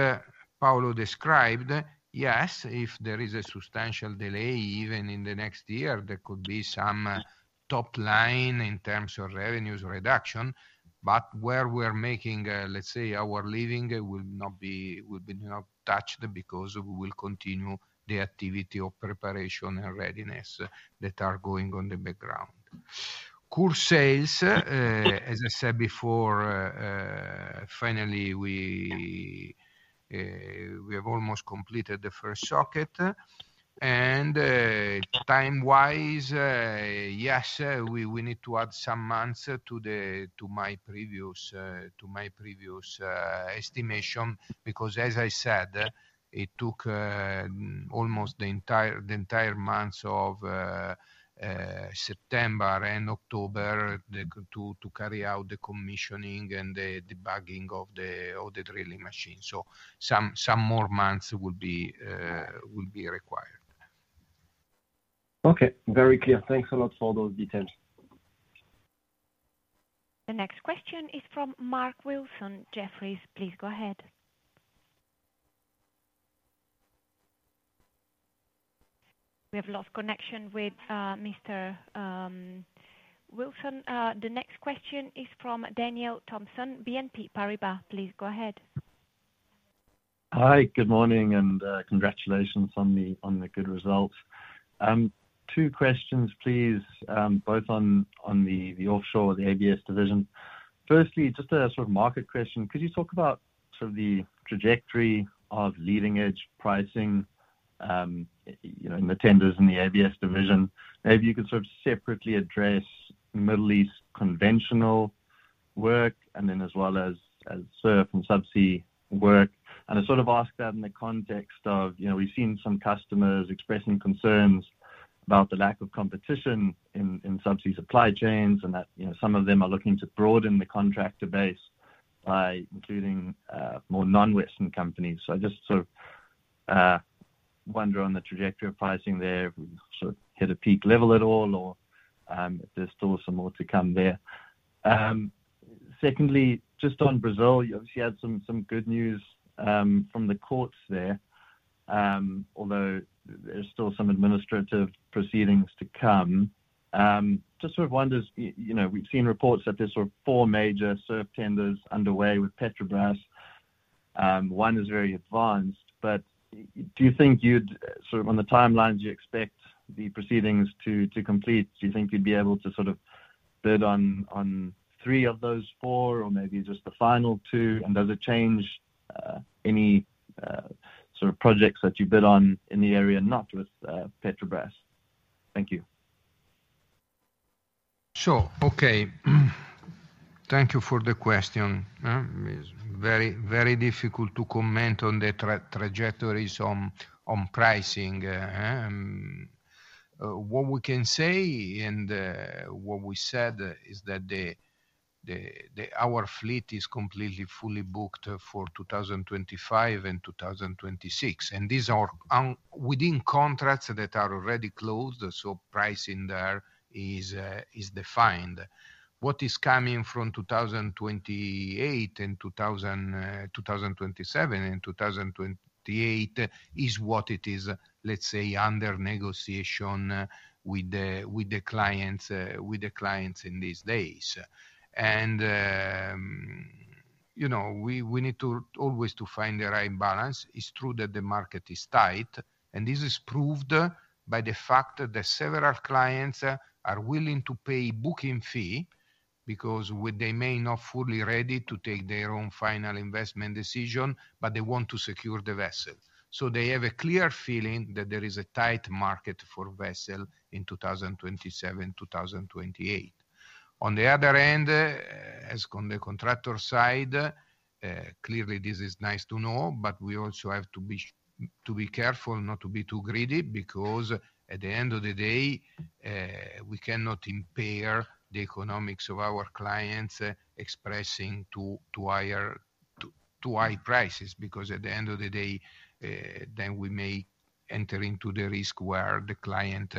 Paolo described, yes, if there is a substantial delay, even in the next year, there could be some top line in terms of revenues reduction. But where we're making, let's say, our living will not be touched, because we will continue the activity of preparation and readiness that are going on in the background. Coral South, as I said before, finally, we have almost completed the first socket. Time-wise, yes, we need to add some months to my previous estimation, because as I said, it took almost the entire months of September and October to carry out the commissioning and the debugging of the drilling machine. So some more months will be required. Okay. Very clear. Thanks a lot for those details. The next question is from Mark Wilson, Jefferies. Please go ahead. We have lost connection with Mr. Wilson. The next question is from Daniel Thompson, BNP Paribas. Please go ahead. Hi, good morning, and congratulations on the good results. Two questions, please, both on the offshore, the ABS division. Firstly, just a sort of market question: Could you talk about sort of the trajectory of leading-edge pricing? You know, in the tenders in the ABS division, maybe you could sort of separately address Middle East conventional work, and then as well as surf and subsea work. I sort of ask that in the context of, you know, we've seen some customers expressing concerns about the lack of competition in subsea supply chains, and that, you know, some of them are looking to broaden the contractor base by including more non-Western companies. I just sort of wonder on the trajectory of pricing there, sort of hit a peak level at all, or if there's still some more to come there. Secondly, just on Brazil, you obviously had some good news from the courts there. Although there's still some administrative proceedings to come. Just sort of wonders, you know, we've seen reports that there's sort of four major SURF tenders underway with Petrobras, one is very advanced, but do you think you'd, sort of, on the timelines you expect the proceedings to complete, do you think you'd be able to sort of bid on three of those four, or maybe just the final two, and does it change any sort of projects that you bid on in the area, not with Petrobras? Thank you. Okay. Thank you for the question. It's very, very difficult to comment on the trajectories on pricing. What we can say, and what we said is that our fleet is completely fully booked for two thousand and twenty-five and two thousand and twenty-six, and these are within contracts that are already closed, so pricing there is defined. What is coming from two thousand and twenty-seven and two thousand and twenty-eight is what it is, let's say, under negotiation with the clients, with the clients in these days. You know, we need to always to find the right balance. It's true that the market is tight, and this is proved by the fact that several clients are willing to pay booking fee, because they may not be fully ready to take their own final investment decision, but they want to secure the vessel. So they have a clear feeling that there is a tight market for vessel in 2027, 2028. On the other hand, as on the contractor side, clearly this is nice to know, but we also have to be careful not to be too greedy, because at the end of the day, we cannot impair the economics of our clients by expecting too high prices. Because at the end of the day, then we may enter into the risk where the client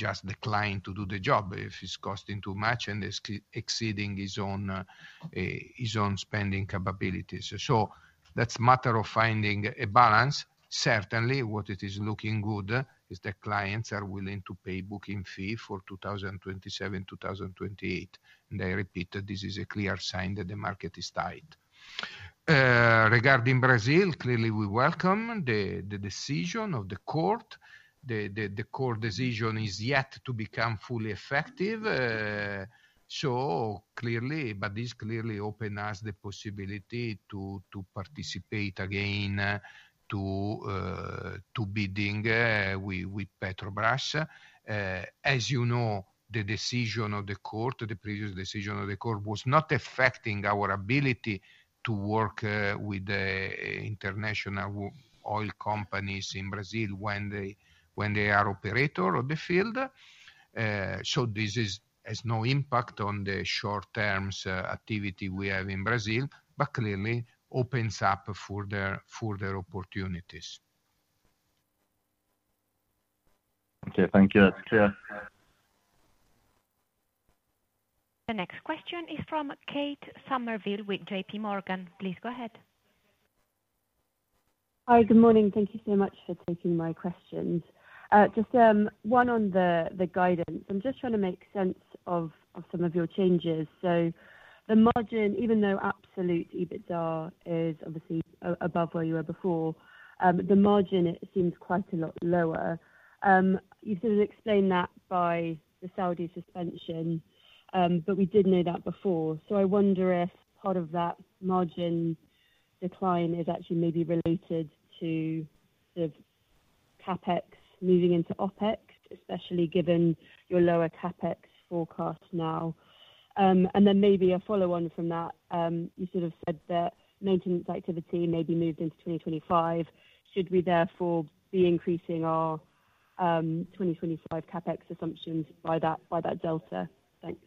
just decline to do the job, if it's costing too much and it's exceeding his own, his own spending capabilities. So that's a matter of finding a balance. Certainly, what it is looking good is that clients are willing to pay booking fee for 2027, 2028. And I repeat, this is a clear sign that the market is tight. Regarding Brazil, clearly we welcome the court decision. The court decision is yet to become fully effective, so clearly. But this clearly open us the possibility to participate again, to bidding, with Petrobras. As you know, the decision of the court, the previous decision of the court, was not affecting our ability to work with the international oil companies in Brazil when they are operator of the field. So this has no impact on the short-term activity we have in Brazil, but clearly opens up further opportunities. Okay. Thank you. That's clear. The next question is from Kate Somerville with JP Morgan. Please go ahead. Hi, good morning. Thank you so much for taking my questions. Just one on the guidance. I'm just trying to make sense of some of your changes. So the margin, even though absolute EBITDA is obviously above where you were before, the margin seems quite a lot lower. You sort of explained that by the Saudi suspension, but we did know that before. So I wonder if part of that margin decline is actually maybe related to the CapEx moving into OpEx, especially given your lower CapEx forecast now. And then maybe a follow-on from that, you sort of said that maintenance activity may be moved into twenty twenty-five. Should we therefore be increasing our twenty twenty-five CapEx assumptions by that delta? Thanks.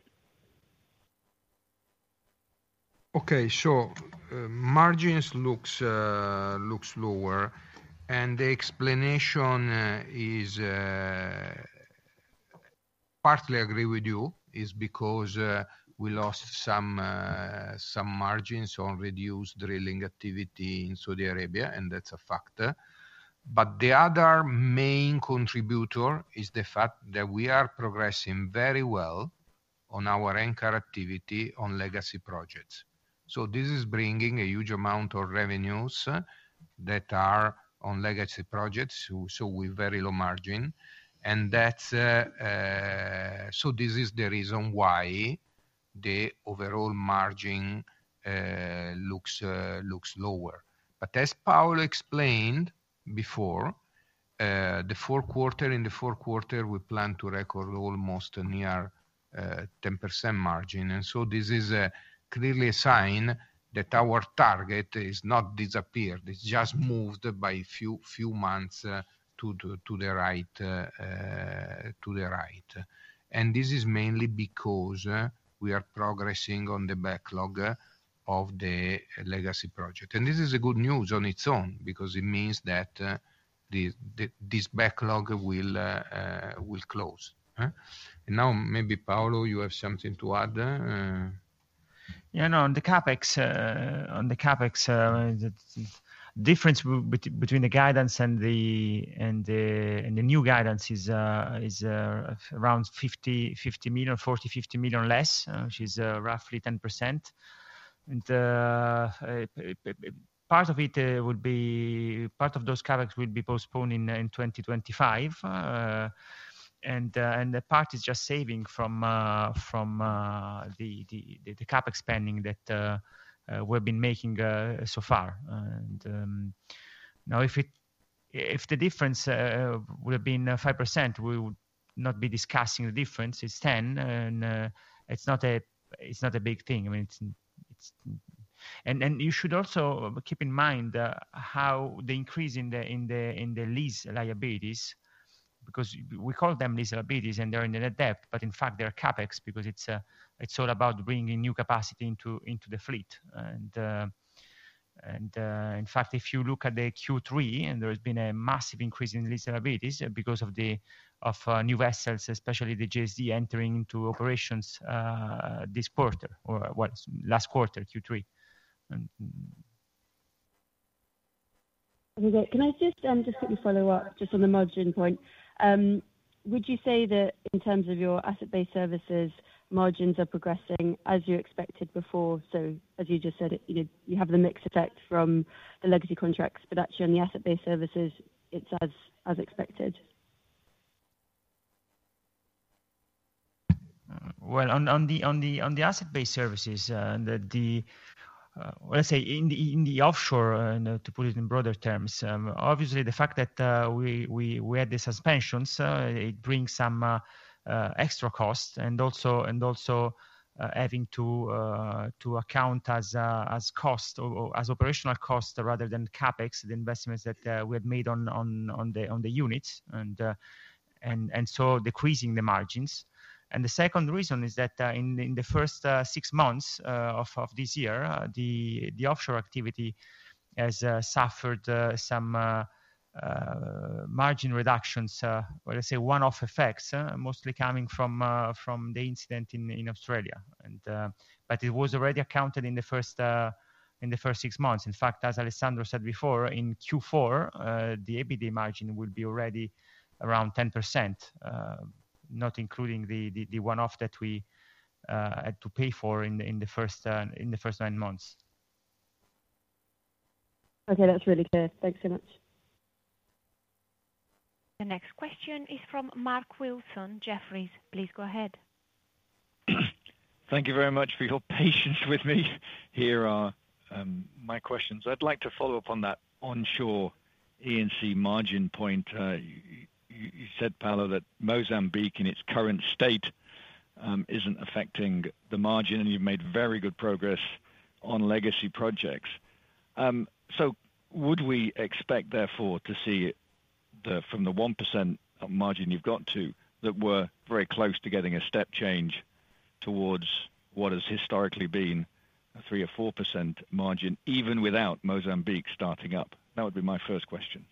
Okay, so margins looks lower, and the explanation is partly I agree with you, is because we lost some margins on reduced drilling activity in Saudi Arabia, and that's a factor. But the other main contributor is the fact that we are progressing very well on our onshore activity on legacy projects. So this is bringing a huge amount of revenues that are on legacy projects, so with very low margin. And that's so this is the reason why the overall margin looks lower. But as Paolo explained before, the fourth quarter, in the fourth quarter, we plan to record almost a near 10% margin. And so this is clearly a sign that our target is not disappeared, it's just moved by few months to the right. And this is mainly because we are progressing on the backlog of the legacy project. And this is a good news on its own, because it means that this backlog will close. Now, maybe Paolo, you have something to add. Yeah, no, on the CapEx, the difference between the guidance and the new guidance is around 40-50 million less, which is roughly 10%. Part of it will be postponed in 2025, and the part is just saving from the CapEx spending that we've been making so far. Now, if the difference would have been 5%, we would not be discussing the difference. It's 10%, and it's not a big thing. I mean, it's... You should also keep in mind how the increase in the lease liabilities, because we call them lease liabilities, and they're in the net debt, but in fact, they're CapEx, because it's all about bringing new capacity into the fleet. In fact, if you look at the Q3, and there has been a massive increase in lease liabilities because of the new vessels, especially the JSD entering into operations this quarter, or what? Last quarter, Q3, and Okay. Can I just, just quickly follow up, just on the margin point? Would you say that in terms of your asset-based services, margins are progressing as you expected before? So as you just said, you know, you have the mix effect from the legacy contracts, but actually, on the asset-based services, it's as expected. On the asset-based services, let's say in the offshore, to put it in broader terms, obviously, the fact that we had the suspensions, it brings some extra costs and also having to account as cost or as operational costs rather than CapEx, the investments that we have made on the units, and so decreasing the margins. The second reason is that in the first six months of this year, the offshore activity has suffered some margin reductions, let's say one-off effects, mostly coming from the incident in Australia. But it was already accounted in the first six months. In fact, as Alessandro said before, in Q4, the EBITDA margin will be already around 10%, not including the one-off that we had to pay for in the first nine months. Okay, that's really clear. Thanks so much. The next question is from Mark Wilson, Jefferies. Please go ahead. Thank you very much for your patience with me. Here are my questions. I'd like to follow up on that onshore E&C margin point. You said, Paolo, that Mozambique, in its current state, isn't affecting the margin, and you've made very good progress on legacy projects. So would we expect, therefore, to see the, from the 1% of margin you've got to, that we're very close to getting a step change towards what has historically been a 3% or 4% margin, even without Mozambique starting up? That would be my first question.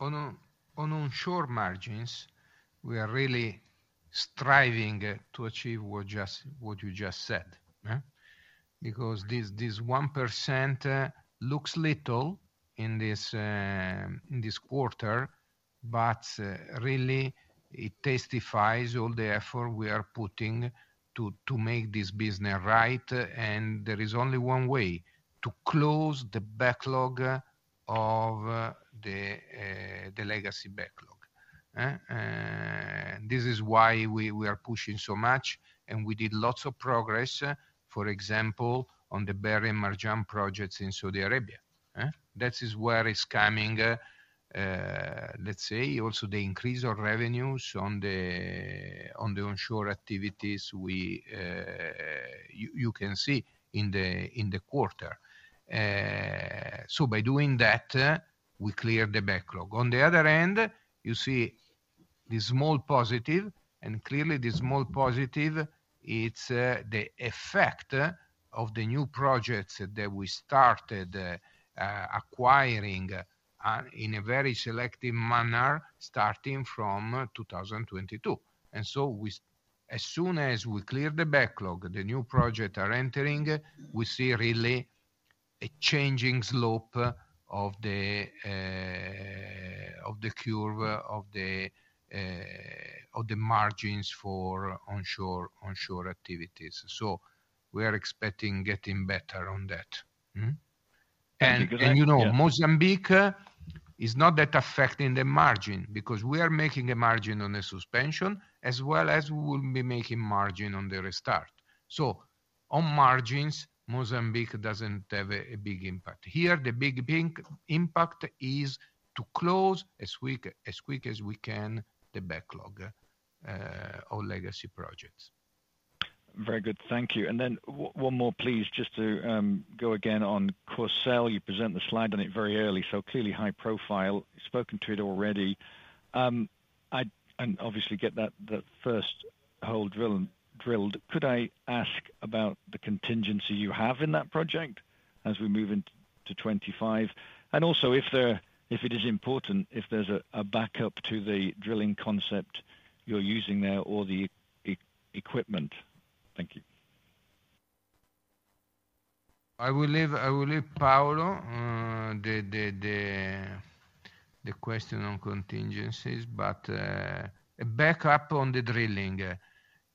On onshore margins, we are really striving to achieve what you just said, because this 1% looks little in this quarter, but really it testifies all the effort we are putting to make this business right. And there is only one way: to close the backlog of the legacy backlog. This is why we are pushing so much, and we did lots of progress, for example, on the Berri and Marjan projects in Saudi Arabia. That is where it's coming, let's say, also the increase of revenues on the onshore activities you can see in the quarter. By doing that, we clear the backlog. On the other end, you see the small positive, and clearly, the small positive, it's the effect of the new projects that we started acquiring in a very selective manner, starting from 2022. And so as soon as we clear the backlog, the new project are entering, we see really a changing slope of the curve of the margins for onshore activities. So we are expecting getting better on that. Thank you. You know, Mozambique is not that affecting the margin, because we are making a margin on the suspension, as well as we will be making margin on the restart. So on margins, Mozambique doesn't have a big impact. Here, the big thing impact is to close as quick as we can the backlog on legacy projects. Very good, thank you. And then one more, please, just to go again on Courseulles. You presented the slide on it very early, so clearly high profile. Spoken to it already. And obviously get that, the first hole drilled. Could I ask about the contingency you have in that project as we move into 2025? And also, if it is important, if there's a backup to the drilling concept you're using there or the equipment. Thank you. I will leave Paolo the question on contingencies, but back up on the drilling.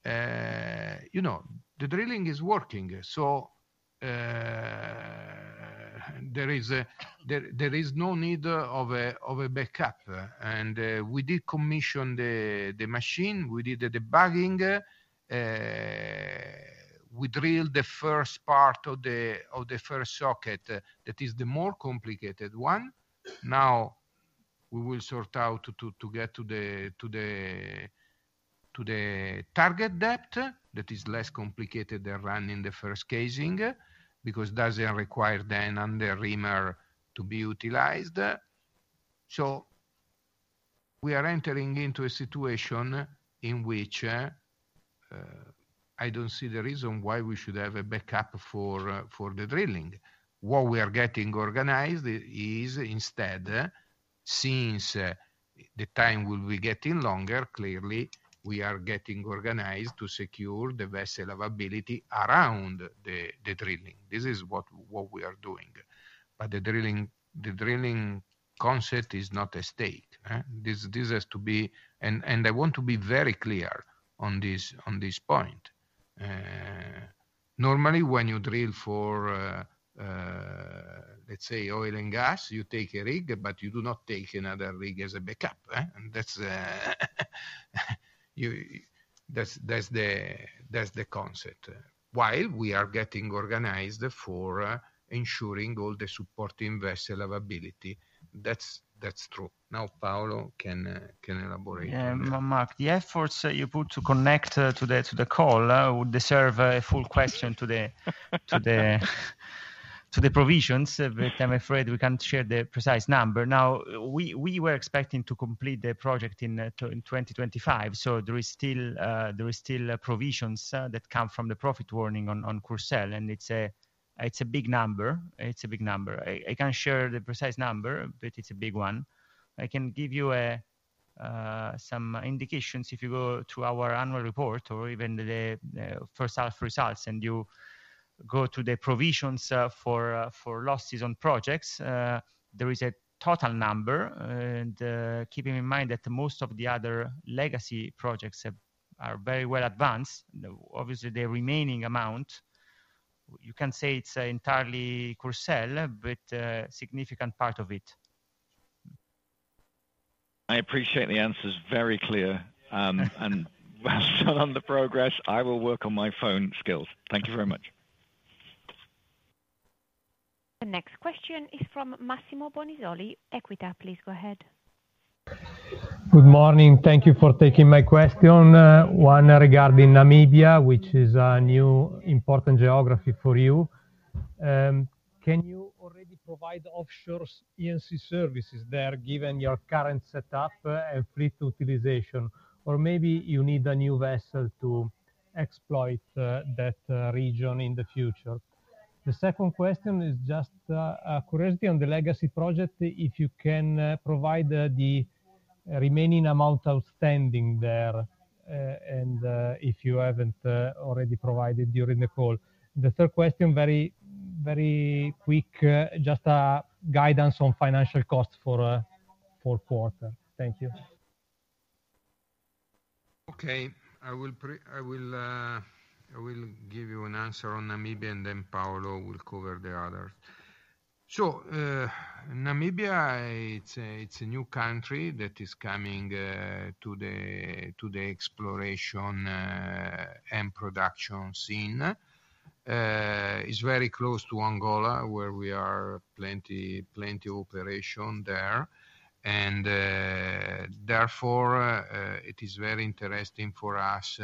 You know, the drilling is working, so there is no need of a backup. We did commission the machine, we did the debugging, we drilled the first part of the first socket. That is the more complicated one. Now, we will sort out to get to the target depth. That is less complicated than running the first casing, because it doesn't require the underreamer to be utilized. So we are entering into a situation in which I don't see the reason why we should have a backup for the drilling. What we are getting organized is instead, since the time will be getting longer, clearly we are getting organized to secure the vessel availability around the drilling. This is what we are doing. But the drilling concept is not at stake? This has to be... And I want to be very clear on this point. Normally, when you drill for, let's say oil and gas, you take a rig, but you do not take another rig as a backup? And that's you -- that's the concept. While we are getting organized for ensuring all the supporting vessel availability, that's true. Now Paolo can elaborate on that. Yeah, Mark, the efforts you put to connect to the call would deserve a full question to the provisions, but I'm afraid we can't share the precise number. Now, we were expecting to complete the project in 2025, so there is still provisions that come from the profit warning on Courseulles-sur-Mer. And it's a big number. It's a big number. I can't share the precise number, but it's a big one. I can give you some indications. If you go to our annual report or even the first half results, and you go to the provisions for losses on projects, there is a total number. Keeping in mind that most of the other legacy projects are very well advanced, obviously, the remaining amount, you can say it's entirely Courseulles, but a significant part of it. I appreciate the answer is very clear, and well done on the progress. I will work on my phone skills. Thank you very much. The next question is from Massimo Bonisoli. Equita, please go ahead. Good morning. Thank you for taking my question. One regarding Namibia, which is a new important geography for you. Can you already provide offshore E&C services there, given your current setup and fleet utilization? Or maybe you need a new vessel to exploit that region in the future. The second question is just a curiosity on the legacy project, if you can provide the remaining amount outstanding there, and if you haven't already provided during the call. The third question, very, very quick, just a guidance on financial costs for fourth quarter. Thank you. Okay. I will give you an answer on Namibia, and then Paolo will cover the others. So, Namibia, it's a new country that is coming to the exploration and production scene. It's very close to Angola, where we have plenty of operations there. And therefore, it is very interesting for us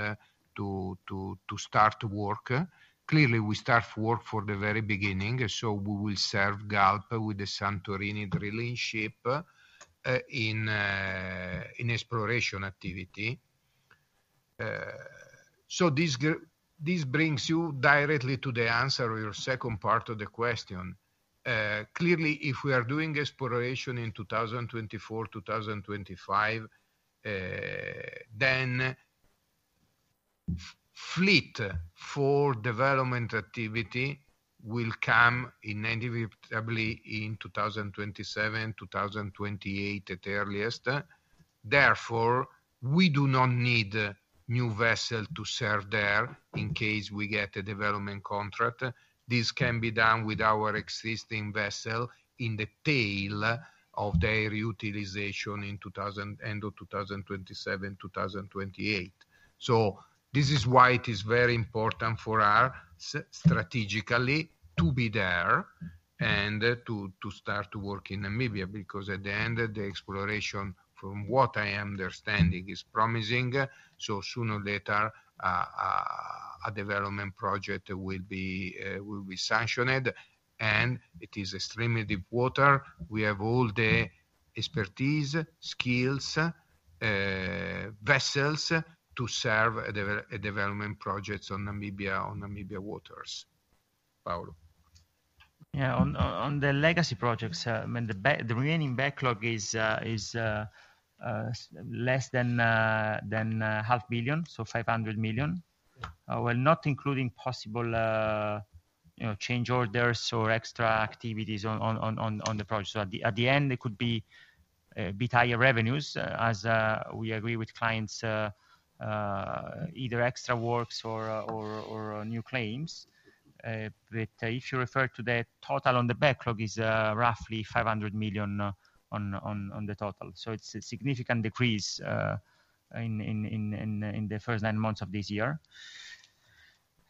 to start work. Clearly, we start work from the very beginning, so we will serve Galp with the Santorini drillship in exploration activity. So this brings you directly to the answer of your second part of the question. Clearly, if we are doing exploration in 2024, 2025, then the fleet for development activity will come in inevitably in 2027, 2028 at earliest. Therefore, we do not need a new vessel to serve there in case we get a development contract. This can be done with our existing vessel in the tail of their utilization at the end of 2027, 2028. So this is why it is very important for us, strategically, to be there and to start to work in Namibia, because at the end of the exploration, from what I am understanding, is promising. So sooner or later, a development project will be sanctioned, and it is extremely deep water. We have all the expertise, skills, vessels to serve a development projects on Namibia, on Namibia waters. Paolo? Yeah, on the legacy projects, I mean, the backlog, the remaining backlog is less than half billion, so 500 million. Well, not including possible, you know, change orders or extra activities on the project. So at the end, it could be higher revenues as we agree with clients, either extra works or new claims. But if you refer to the total on the backlog is roughly 500 million on the total. So it's a significant decrease in the first nine months of this year.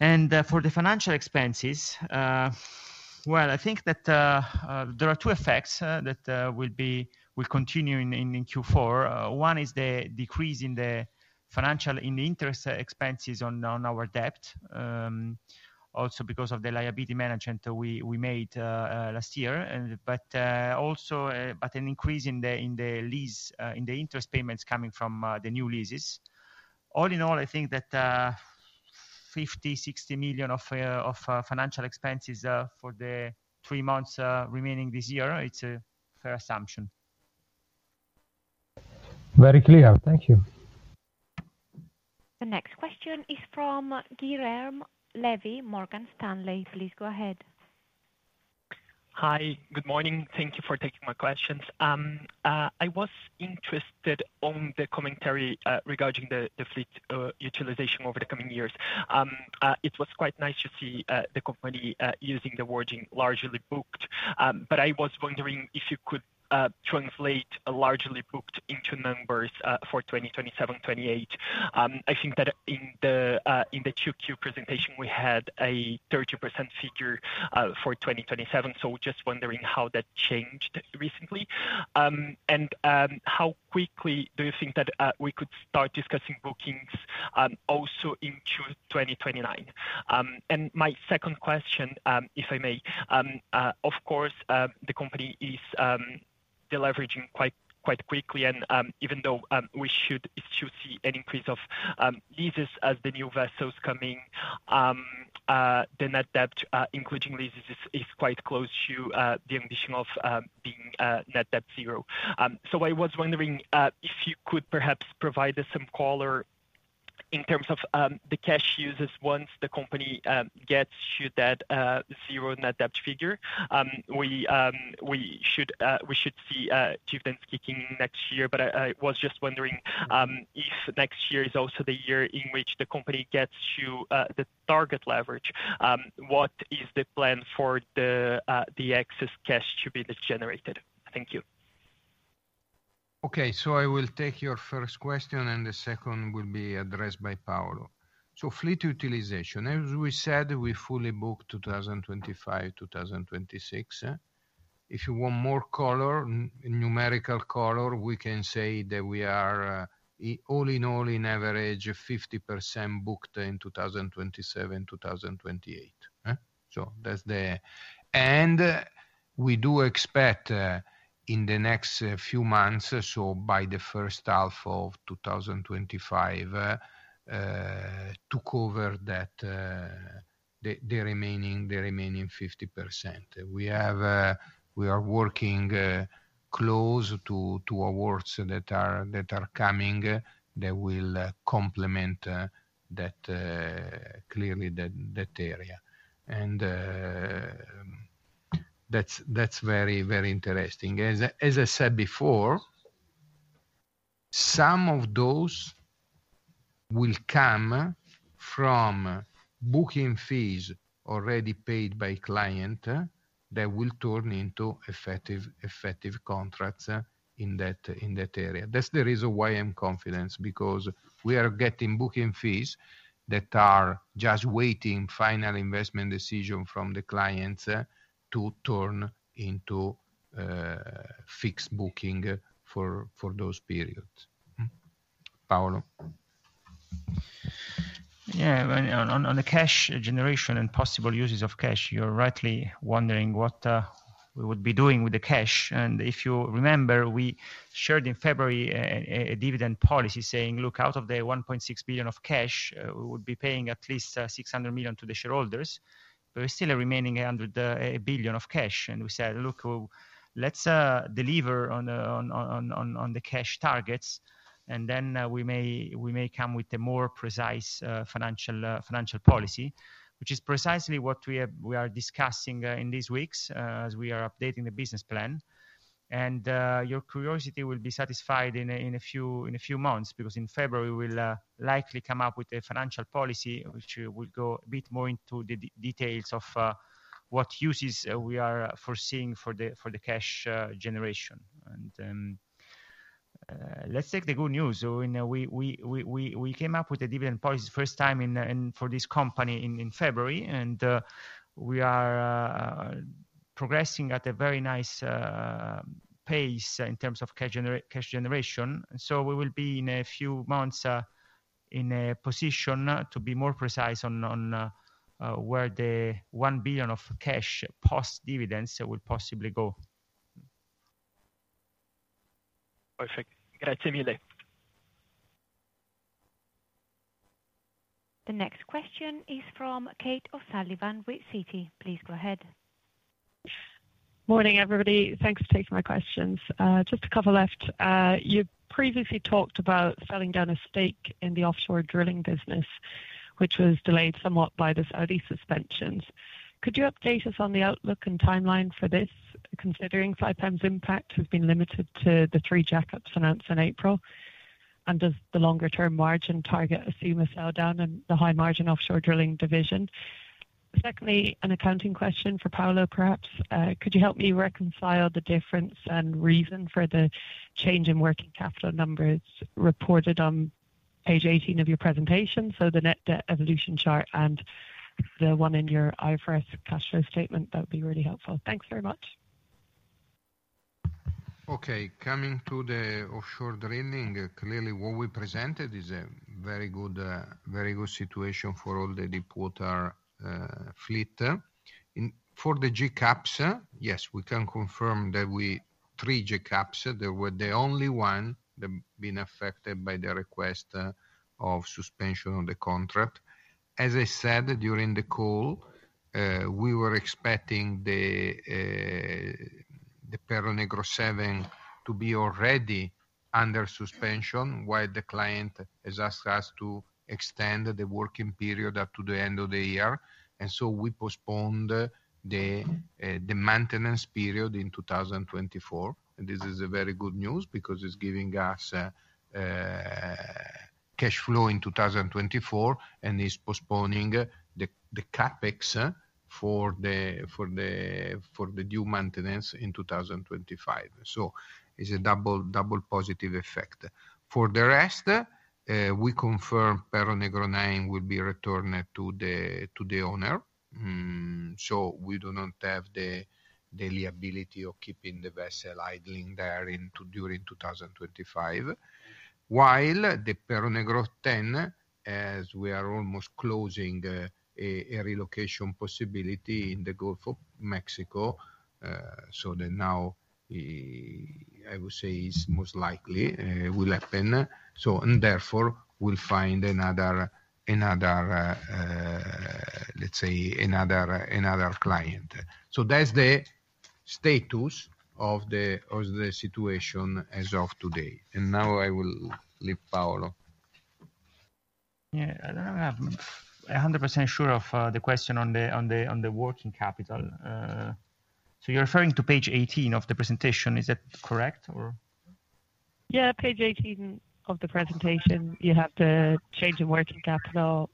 For the financial expenses, well, I think that there are two effects that will continue in Q4. One is the decrease in the financial interest expenses on our debt. Also because of the liability management we made last year, and but also, but an increase in the lease interest payments coming from the new leases. All in all, I think that 50-60 million of financial expenses for the three months remaining this year is a fair assumption. Very clear. Thank you. The next question is from Guilherme Levy, Morgan Stanley. Please go ahead. Hi, good morning. Thank you for taking my questions. I was interested on the commentary regarding the fleet utilization over the coming years. It was quite nice to see the company using the wording "largely booked," but I was wondering if you could translate largely booked into numbers for 2027, 2028. I think that in the 2Q presentation, we had a 30% figure for 2027, so just wondering how that changed recently, and how quickly do you think that we could start discussing bookings also into 2029? And my second question, if I may, of course, the company is deleveraging quite quickly and even though we should see an increase of leases as the new vessels coming, the net debt including leases is quite close to the ambition of being net debt zero. So I was wondering if you could perhaps provide us some color in terms of the cash uses once the company gets to that zero net debt figure. We should see dividends kicking next year, but I was just wondering if next year is also the year in which the company gets to the target leverage, what is the plan for the excess cash to be generated? Thank you. Okay, so I will take your first question, and the second will be addressed by Paolo. So fleet utilization. As we said, we fully booked two thousand and twenty-five, two thousand and twenty-six. If you want more color, numerical color, we can say that we are all in all, in average, 50% booked in two thousand and twenty-seven, two thousand and twenty-eight. So that's the. And we do expect in the next few months, so by the first half of two thousand and twenty-five, to cover that, the remaining 50%. We are working close to awards that are coming, that will complement that area. And that's very interesting. As I said before, some of those will come from booking fees already paid by client, that will turn into effective contracts in that area. That's the reason why I'm confident, because we are getting booking fees that are just waiting final investment decision from the clients to turn into fixed booking for those periods. Paolo? Yeah, well, on the cash generation and possible uses of cash, you're rightly wondering what we would be doing with the cash. And if you remember, we shared in February a dividend policy saying, "Look, out of the 1.6 billion of cash, we would be paying at least 600 million to the shareholders." There is still a remaining under a 1 billion of cash. And we said, "Look, well, let's deliver on the cash targets, and then we may come with a more precise financial policy," which is precisely what we are discussing in these weeks as we are updating the business plan. Your curiosity will be satisfied in a few months, because in February we'll likely come up with a financial policy, which will go a bit more into the details of what uses we are foreseeing for the cash generation. Let's take the good news. We know we came up with a dividend policy first time for this company in February, and we are progressing at a very nice pace in terms of cash generation. We will be in a few months in a position to be more precise on where the 1 billion of cash, post dividends, will possibly go. Perfect. The next question is from Kate O'Sullivan, with Citi. Please go ahead. Morning, everybody. Thanks for taking my questions. Just a couple left. You previously talked about selling down a stake in the offshore drilling business, which was delayed somewhat by the Saudi suspensions. Could you update us on the outlook and timeline for this, considering Saipem's impact has been limited to the three jackups announced in April? And does the longer term margin target assume a sell down in the high margin offshore drilling division? Secondly, an accounting question for Paolo, perhaps. Could you help me reconcile the difference and reason for the change in working capital numbers reported on page 18 of your presentation, so the net debt evolution chart and the one in your IFRS cash flow statement? That would be really helpful. Thanks very much. Okay. Coming to the offshore drilling, clearly, what we presented is a very good, very good situation for all the deepwater fleet. For the jackups, yes, we can confirm that three jackups, they were the only one that been affected by the request of suspension on the contract. As I said, during the call, we were expecting the Perro Negro Seven to be already under suspension, while the client has asked us to extend the working period up to the end of the year. And so we postponed the maintenance period in two thousand and twenty-four. And this is a very good news, because it's giving us cash flow in two thousand and twenty-four, and is postponing the CapEx for the due maintenance in two thousand and twenty-five. So it's a double, double positive effect. For the rest, we confirm Perro Negro 9 will be returned to the owner. So we do not have the liability of keeping the vessel idling there during 2025. While the Perro Negro 10, as we are almost closing a relocation possibility in the Gulf of Mexico, so that now I would say is most likely will happen. So and therefore, we'll find another client. So that's the status of the situation as of today. And now I will leave Paolo. Yeah, I don't have 100% sure of the question on the working capital. So you're referring to page 18 of the presentation, is that correct, or? Yeah, page 18 of the presentation, you have the change in working capital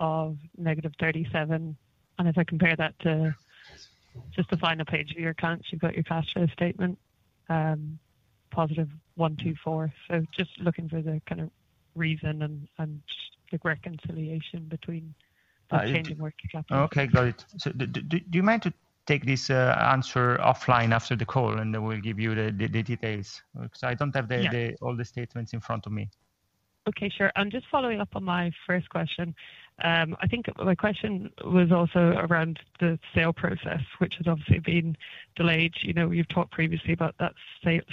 of negative 37. And if I compare that to just the final page of your accounts, you've got your cash flow statement, positive 124. So just looking for the kind of reason and the reconciliation between- Uh- the change in working capital. Okay, got it. So do you mind to take this answer offline after the call, and I will give you the details? Because I don't have the- Yeah. All the statements in front of me. Okay, sure. And just following up on my first question, I think my question was also around the sale process, which has obviously been delayed. You know, you've talked previously about that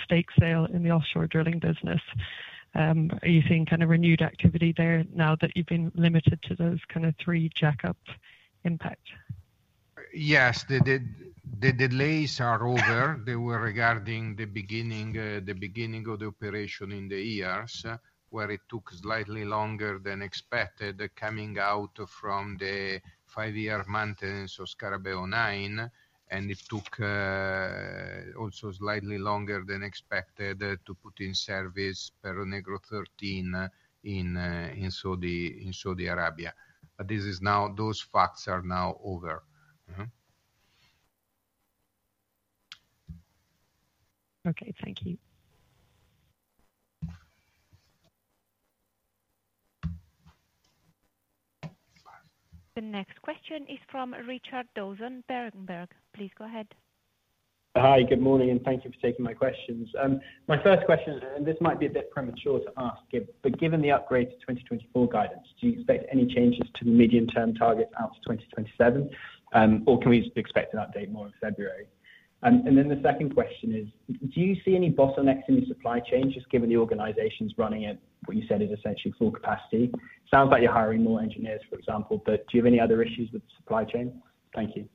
stake sale in the offshore drilling business. Are you seeing kind of renewed activity there now that you've been limited to those kind of three jackup rigs? Yes, the delays are over. They were regarding the beginning of the operation in the years, where it took slightly longer than expected, coming out from the five-year maintenance of Scarabeo 9, and it took also slightly longer than expected to put in service Perro Negro 13 in Saudi Arabia. But this is now, those facts are now over. Mm-hmm. Okay, thank you.... The next question is from Richard Dawson, Berenberg. Please go ahead. Hi, good morning, and thank you for taking my questions. My first question, and this might be a bit premature to ask, but given the upgrade to 2024 guidance, do you expect any changes to the medium-term target out to 2027? Or can we just expect an update more in February? And then the second question is: Do you see any bottlenecks in the supply chain, just given the organizations running at, what you said is essentially full capacity? Sounds like you're hiring more engineers, for example, but do you have any other issues with the supply chain? Thank you.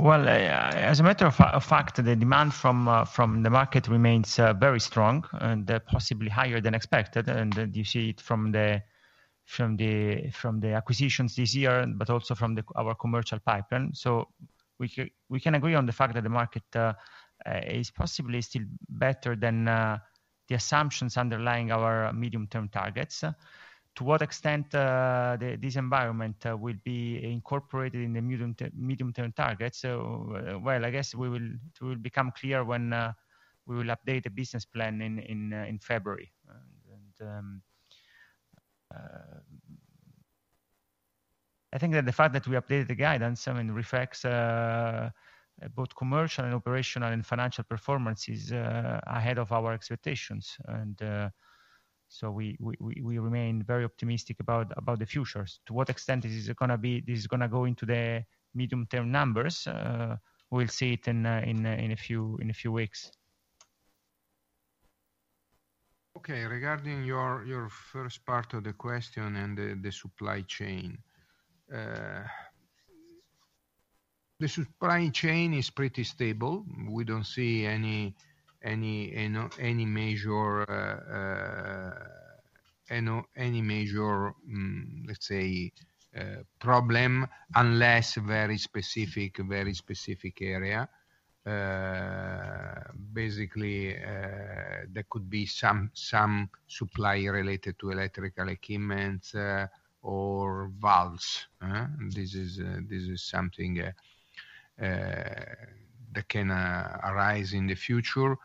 As a matter of fact, the demand from the market remains very strong and possibly higher than expected, and you see it from the acquisitions this year, but also from our commercial pipeline. We can agree on the fact that the market is possibly still better than the assumptions underlying our medium-term targets. To what extent this environment will be incorporated in the medium-term targets? Well, I guess it will become clear when we update the business plan in February. I think that the fact that we updated the guidance, I mean, reflects both commercial, operational, and financial performance is ahead of our expectations. And, so we remain very optimistic about the futures. To what extent is this gonna be. This is gonna go into the medium-term numbers. We'll see it in a few weeks. Okay, regarding your first part of the question and the supply chain. The supply chain is pretty stable. We don't see any major problem, unless very specific area. Basically, there could be some supply related to electrical equipment or valves? This is something that can arise in the future,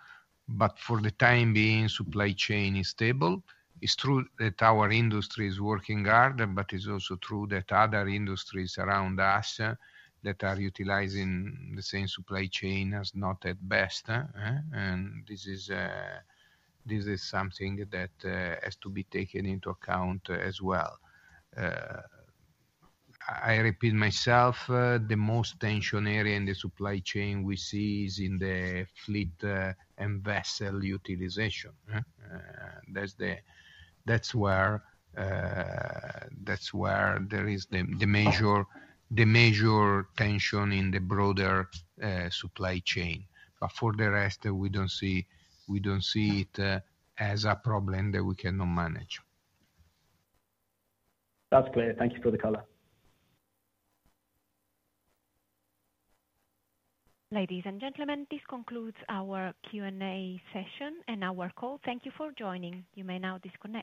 but for the time being, supply chain is stable. It's true that our industry is working hard, but it's also true that other industries around us that are utilizing the same supply chain is not at best, and this is something that has to be taken into account as well. I repeat myself, the most tension area in the supply chain we see is in the fleet and vessel utilization. That's where there is the major tension in the broader supply chain. But for the rest, we don't see it as a problem that we cannot manage. That's clear. Thank you for the color. Ladies and gentlemen, this concludes our Q&A session and our call. Thank you for joining. You may now disconnect.